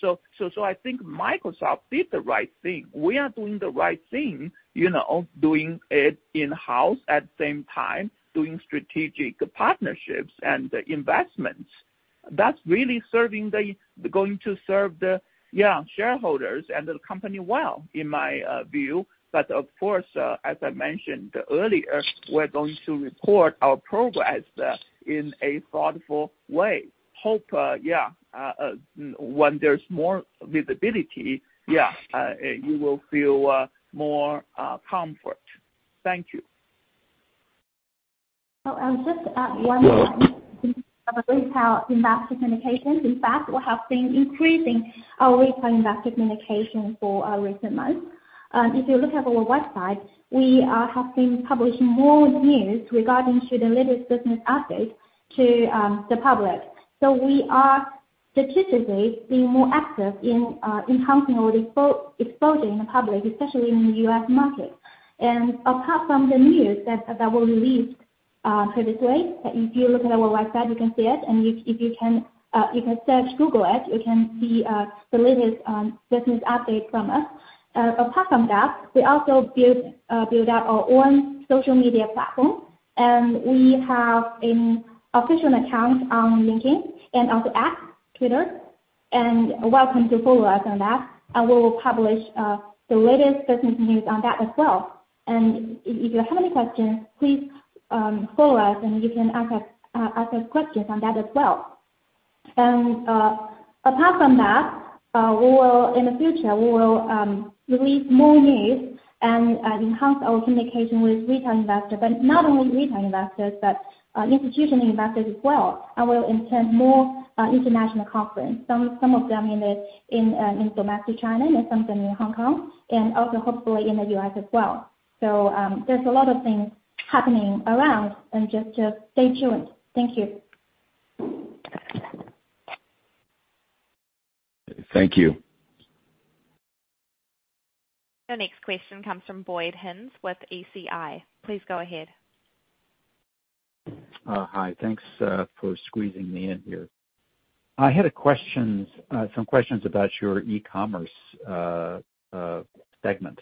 So I think Microsoft did the right thing. We are doing the right thing, doing it in-house at the same time, doing strategic partnerships and investments. That's really going to serve, yeah, shareholders and the company well, in my view. But of course, as I mentioned earlier, we're going to report our progress in a thoughtful way. Hope, yeah, when there's more visibility, yeah, you will feel more comfort. Thank you. Well, I was just at one point. I think we have a great investor communication. In fact, we have been increasing our retail investor communication for recent months. If you look at our website, we have been publishing more news regarding the latest business updates to the public. So we are strategically being more active in enhancing our exposure in the public, especially in the U.S. market. And apart from the news that was released previously, if you look at our website, you can see it. And if you can search Google it, you can see the latest business update from us. Apart from that, we also built up our own social media platform. And we have an official account on LinkedIn and also X, Twitter. And welcome to follow us on that. And we will publish the latest business news on that as well. If you have any questions, please follow us, and you can ask us questions on that as well. Apart from that, in the future, we will release more news and enhance our communication with retail investors, but not only retail investors, but institutional investors as well. We'll intend more international conferences, some of them in domestic China and some of them in Hong Kong and also hopefully in the US as well. So there's a lot of things happening around. Just stay tuned. Thank you. Thank you. Your next question comes from Boyd Haynes with ACI. Please go ahead. Hi. Thanks for squeezing me in here. I had some questions about your e-commerce segment.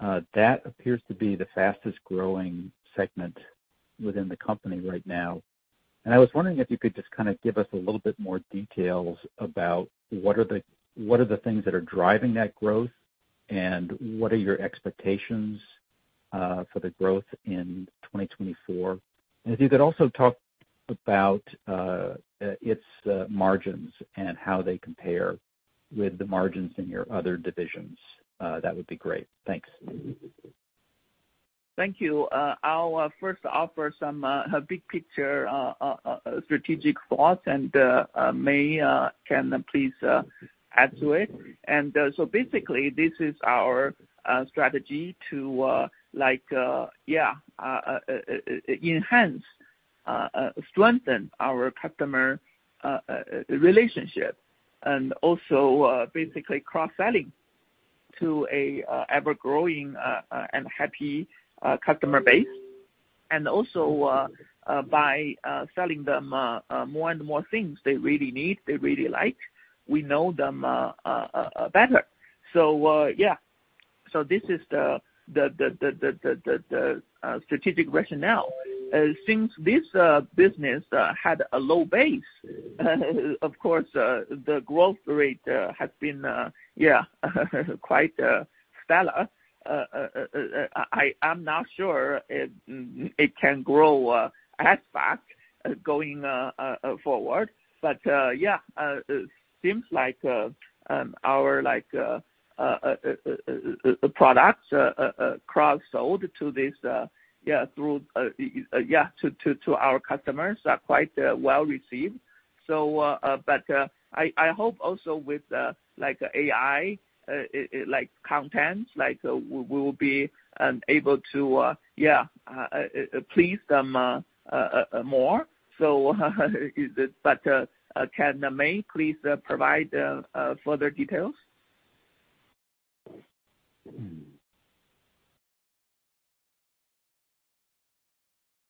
That appears to be the fastest-growing segment within the company right now. And I was wondering if you could just kind of give us a little bit more details about what are the things that are driving that growth, and what are your expectations for the growth in 2024? And if you could also talk about its margins and how they compare with the margins in your other divisions, that would be great. Thanks. Thank you. I'll first offer some big-picture strategic thoughts. Mei can please add to it. So basically, this is our strategy to enhance, strengthen our customer relationship and also basically cross-selling to an ever-growing and happy customer base. Also by selling them more and more things they really need, they really like, we know them better. So this is the strategic rationale. Since this business had a low base, of course, the growth rate has been quite stellar. I'm not sure it can grow as fast going forward. It seems like our products cross-sold to this through to our customers are quite well received. I hope also with AI content, we will be able to please them more. Can Mei please provide further details?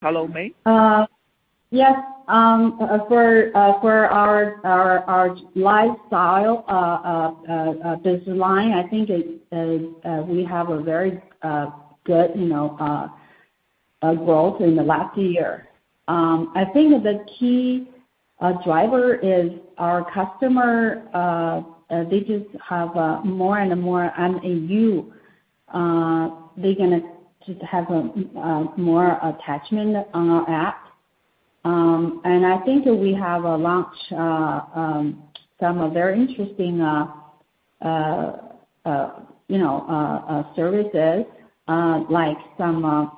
Hello, Mei? Yes. For our lifestyle business line, I think we have a very good growth in the last year. I think the key driver is our customer. They just have more and more MAU. They're going to just have more attachment on our app. And I think we have launched some very interesting services like some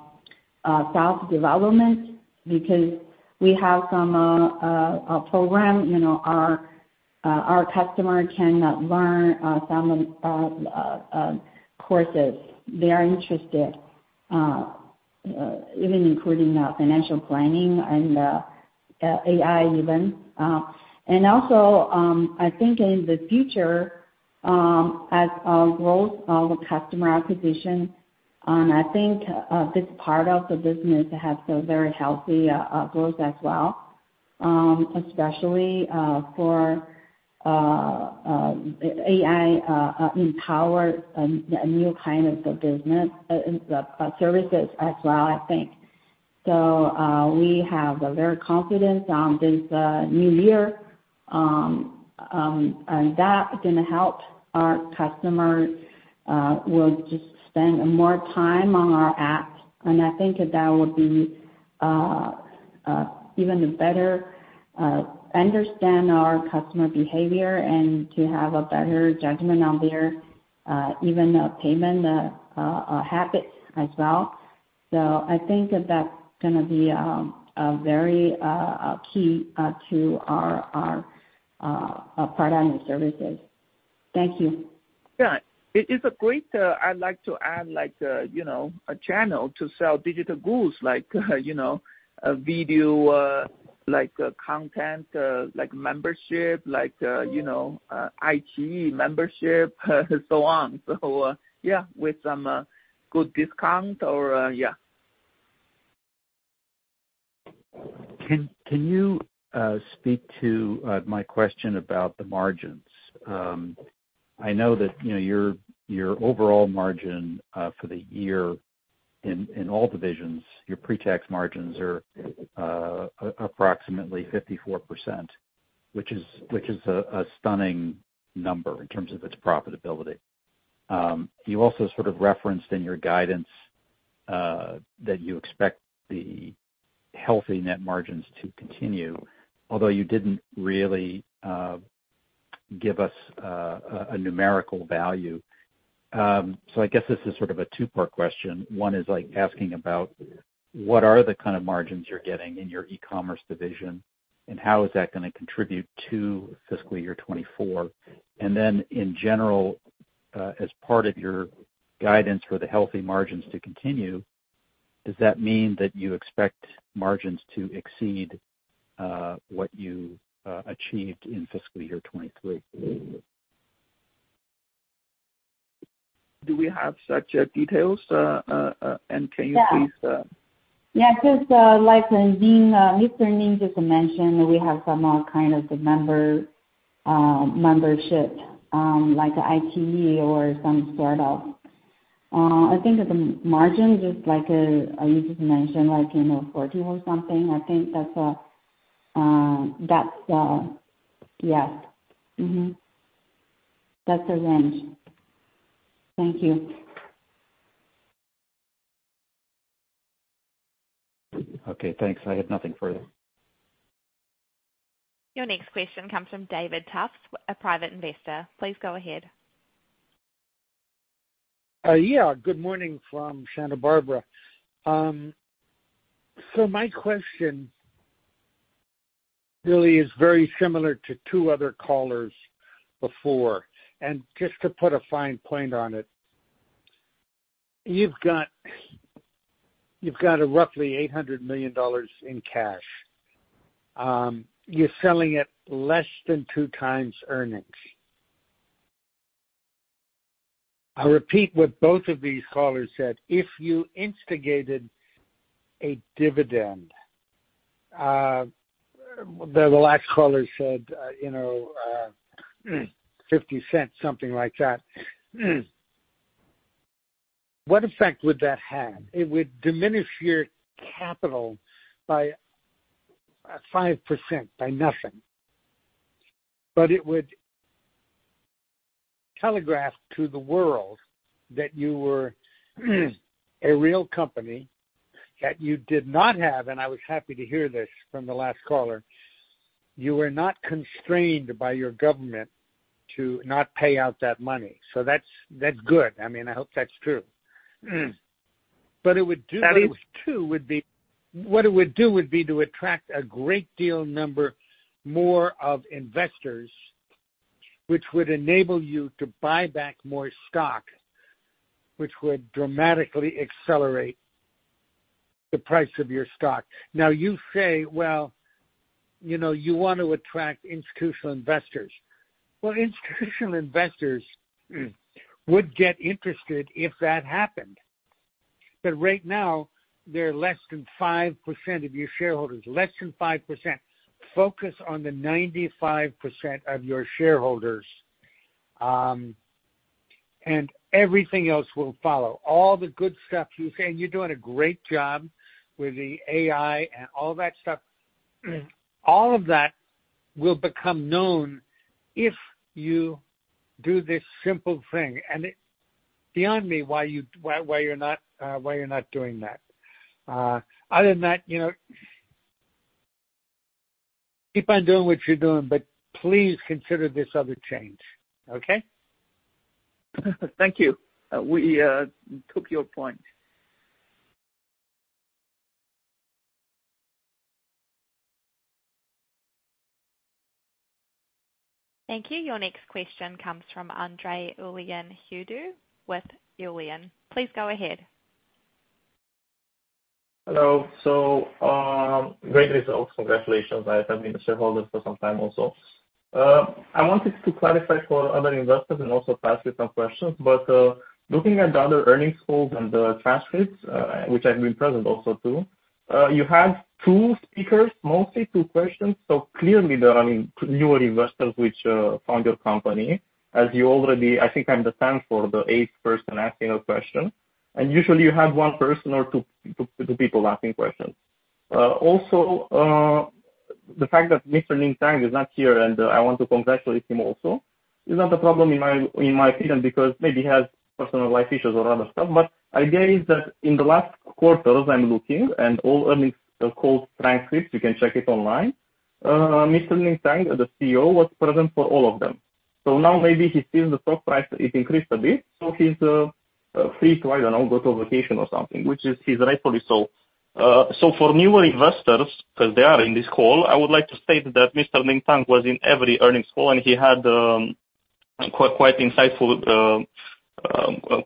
self-development because we have some program. Our customer can learn some courses. They are interested, even including financial planning and AI even. And also, I think in the future, as our growth, our customer acquisition, and I think this part of the business has a very healthy growth as well, especially for AI-empowered new kind of services as well, I think. So we have very confidence on this new year. And that's going to help our customer will just spend more time on our app. And I think that would be even better to understand our customer behavior and to have a better judgment on their even payment habits as well. So I think that's going to be very key to our product and services. Thank you. Yeah. It's great. I'd like to add a channel to sell digital goods like video, content, membership, iQIYI membership, and so on. So yeah, with some good discount or yeah. Can you speak to my question about the margins? I know that your overall margin for the year in all divisions, your pre-tax margins are approximately 54%, which is a stunning number in terms of its profitability. You also sort of referenced in your guidance that you expect the healthy net margins to continue, although you didn't really give us a numerical value. So I guess this is sort of a two-part question. One is asking about what are the kind of margins you're getting in your e-commerce division, and how is that going to contribute to fiscal year 2024? And then in general, as part of your guidance for the healthy margins to continue, does that mean that you expect margins to exceed what you achieved in fiscal year 2023? Do we have such details? Can you please? Yeah. Yeah. Just like Mr. Ning just mentioned, we have some kind of the membership like iQIYI or some sort of. I think the margin just like you just mentioned, like 14 or something. I think that's, yes, that's the range. Thank you. Okay. Thanks. I had nothing further. Your next question comes from David Tufts, a private investor. Please go ahead. Yeah. Good morning from Santa Barbara. So my question really is very similar to two other callers before. And just to put a fine point on it, you've got roughly $800 million in cash. You're selling at less than 2x earnings. I repeat what both of these callers said. If you instigated a dividend, the last caller said $0.50, something like that, what effect would that have? It would diminish your capital by 5%, by nothing. But it would telegraph to the world that you were a real company that you did not have - and I was happy to hear this from the last caller - you were not constrained by your government to not pay out that money. So that's good. I mean, I hope that's true. But it would do. At least. It would be what it would do would be to attract a great deal number more of investors, which would enable you to buy back more stock, which would dramatically accelerate the price of your stock. Now, you say, "Well, you want to attract institutional investors." Well, institutional investors would get interested if that happened. But right now, they're less than 5% of your shareholders. Less than 5%. Focus on the 95% of your shareholders, and everything else will follow. All the good stuff you say, and you're doing a great job with the AI and all that stuff, all of that will become known if you do this simple thing. And beyond me, why you're not doing that. Other than that, keep on doing what you're doing, but please consider this other change, okay? Thank you. We took your point. Thank you. Your next question comes from Andrei Iulian with Julian. Please go ahead. Hello. So great results. Congratulations. I've been a shareholder for some time also. I wanted to clarify for other investors and also pass you some questions. But looking at the other earnings calls and the transcripts, which have been present also too, you had two speakers, mostly two questions. So clearly, there are newer investors which found your company as you already I think I understand for the eighth person asking a question. Usually, you have one person or two people asking questions. Also, the fact that Mr. Ning Tang is not here, and I want to congratulate him also, is not a problem in my opinion because maybe he has personal life issues or other stuff. But the idea is that in the last quarters, I'm looking, and all earnings call transcripts, you can check it online, Mr. Ning Tang, the CEO, was present for all of them. So now maybe he sees the stock price increase a bit, so he's free to, I don't know, go to a vacation or something, which is rightfully so. So for newer investors, because they are in this call, I would like to state that Mr. Ning Tang was in every earnings call, and he had quite insightful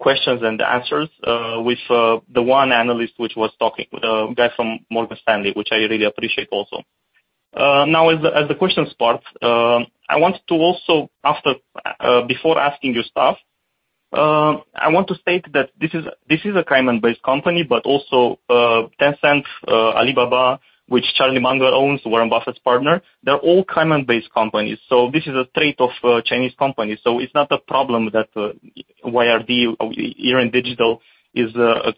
questions and answers with the one analyst which was talking, the guy from Morgan Stanley, which I really appreciate also. Now, as the questions part, I wanted to also, before asking your stuff, I want to state that this is a Cayman-based company, but also Tencent, Alibaba, which Charlie Munger owns, Warren Buffett's partner, they're all Cayman-based companies. So this is a trait of Chinese companies. So it's not a problem that YRD, Yiren Digital, is a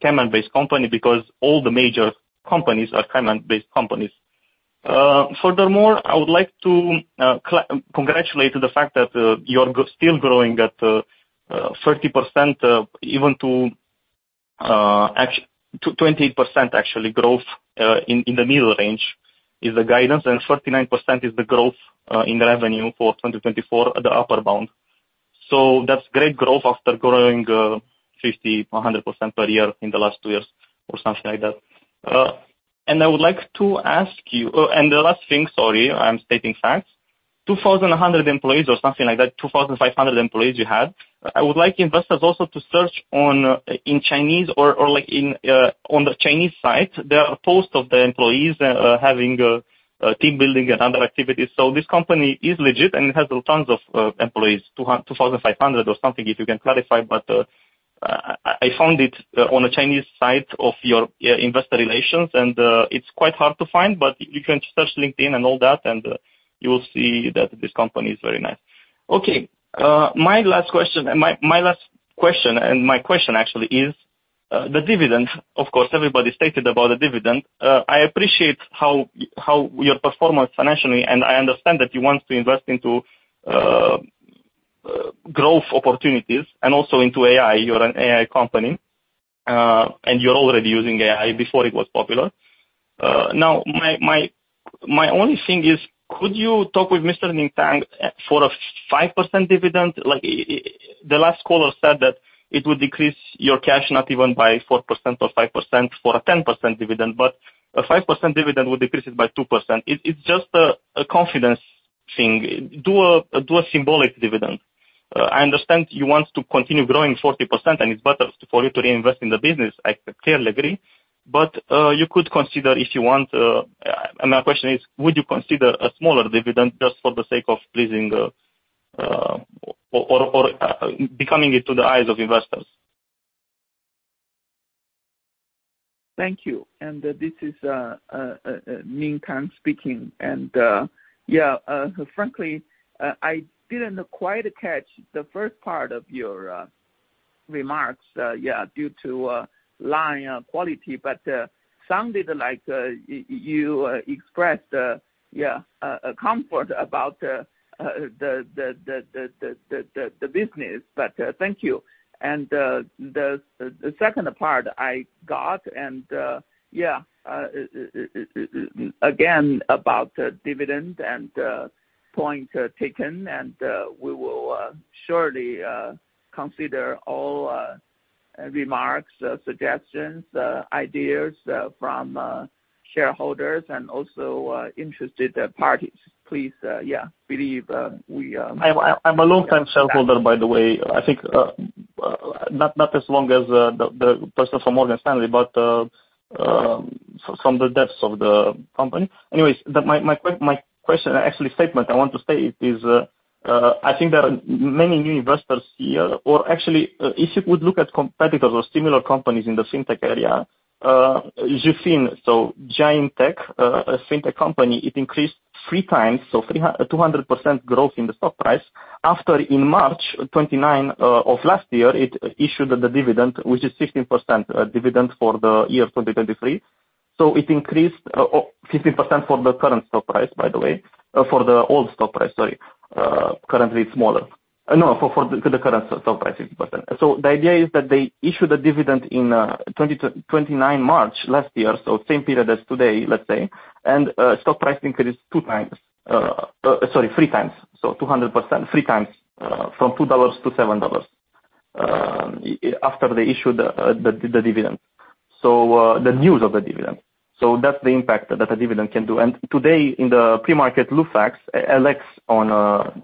Cayman-based company because all the major companies are Cayman-based companies. Furthermore, I would like to congratulate to the fact that you're still growing at 30%, even to 28%, actually, growth in the middle range is the guidance, and 39% is the growth in revenue for 2024, the upper bound. So that's great growth after growing 50%-100% per year in the last two years or something like that. And I would like to ask you and the last thing, sorry. I'm stating facts. 2,100 employees or something like that, 2,500 employees you had. I would like investors also to search in Chinese or on the Chinese site. There are posts of the employees having team-building and other activities. So this company is legit, and it has tons of employees, 2,500 or something if you can clarify. But I found it on a Chinese site of your investor relations, and it's quite hard to find. But you can search LinkedIn and all that, and you will see that this company is very nice. Okay. My last question and my last question and my question, actually, is the dividend. Of course, everybody stated about the dividend. I appreciate how your performance financially, and I understand that you want to invest into growth opportunities and also into AI. You're an AI company, and you're already using AI before it was popular. Now, my only thing is, could you talk with Mr. Ning Tang for a 5% dividend? The last caller said that it would decrease your cash not even by 4% or 5% for a 10% dividend, but a 5% dividend would decrease it by 2%. It's just a confidence thing. Do a symbolic dividend. I understand you want to continue growing 40%, and it's better for you to reinvest in the business. I clearly agree. But you could consider if you want and my question is, would you consider a smaller dividend just for the sake of pleasing or becoming it to the eyes of investors? Thank you. This is Ning Tang speaking. Yeah, frankly, I didn't quite catch the first part of your remarks, yeah, due to line quality, but sounded like you expressed, yeah, comfort about the business. But thank you. The second part I got, and yeah, again about dividend and point taken, and we will surely consider all remarks, suggestions, ideas from shareholders and also interested parties. Please, yeah, believe we. I'm a long-time shareholder, by the way. I think not as long as the person from Morgan Stanley, but from the depths of the company. Anyways, my question, actually, statement I want to state is I think there are many new investors here. Or actually, if you would look at competitors or similar companies in the fintech area, Zhou, so Giant Tech, a fintech company, it increased three times, so 200% growth in the stock price. After in March 2023 of last year, it issued the dividend, which is 15% dividend for the year 2023. So it increased 15% for the current stock price, by the way, for the old stock price, sorry. Currently, it's smaller. No, for the current stock price, 50%. So the idea is that they issued a dividend in March 2023 last year, so same period as today, let's say, and stock price increased two times sorry, three times, so 200%, three times from $2 to $7 after they issued the dividend, so the news of the dividend. So that's the impact that a dividend can do. And today, in the pre-market, Lufax, LX on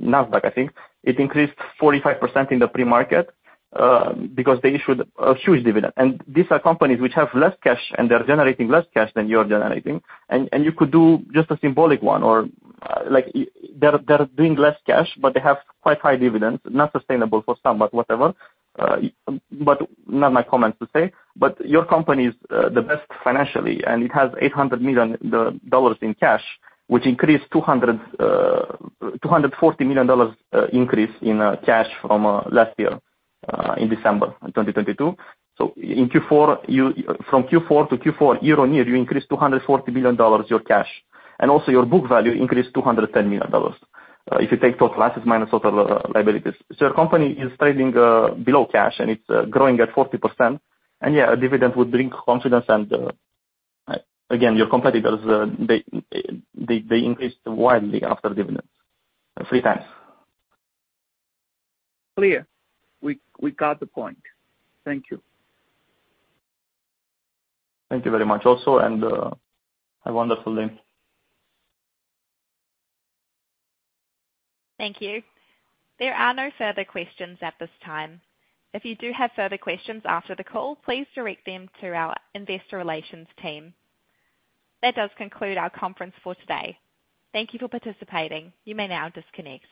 Nasdaq, I think, it increased 45% in the pre-market because they issued a huge dividend. And these are companies which have less cash, and they're generating less cash than you're generating. And you could do just a symbolic one. Or they're doing less cash, but they have quite high dividends, not sustainable for some, but whatever. But not my comments to say. But your company is the best financially, and it has $800 million in cash, which increased $240 million increase in cash from last year in December 2022. So from Q4 to Q4, year-on-year, you increased $240 million, your cash. And also, your book value increased $210 million if you take total assets minus total liabilities. So your company is trading below cash, and it's growing at 40%. And yeah, a dividend would bring confidence. And again, your competitors, they increased widely after dividends, three times. Clear. We got the point. Thank you. Thank you very much also. Have a wonderful day. Thank you. There are no further questions at this time. If you do have further questions after the call, please direct them to our investor relations team. That does conclude our conference for today. Thank you for participating. You may now disconnect.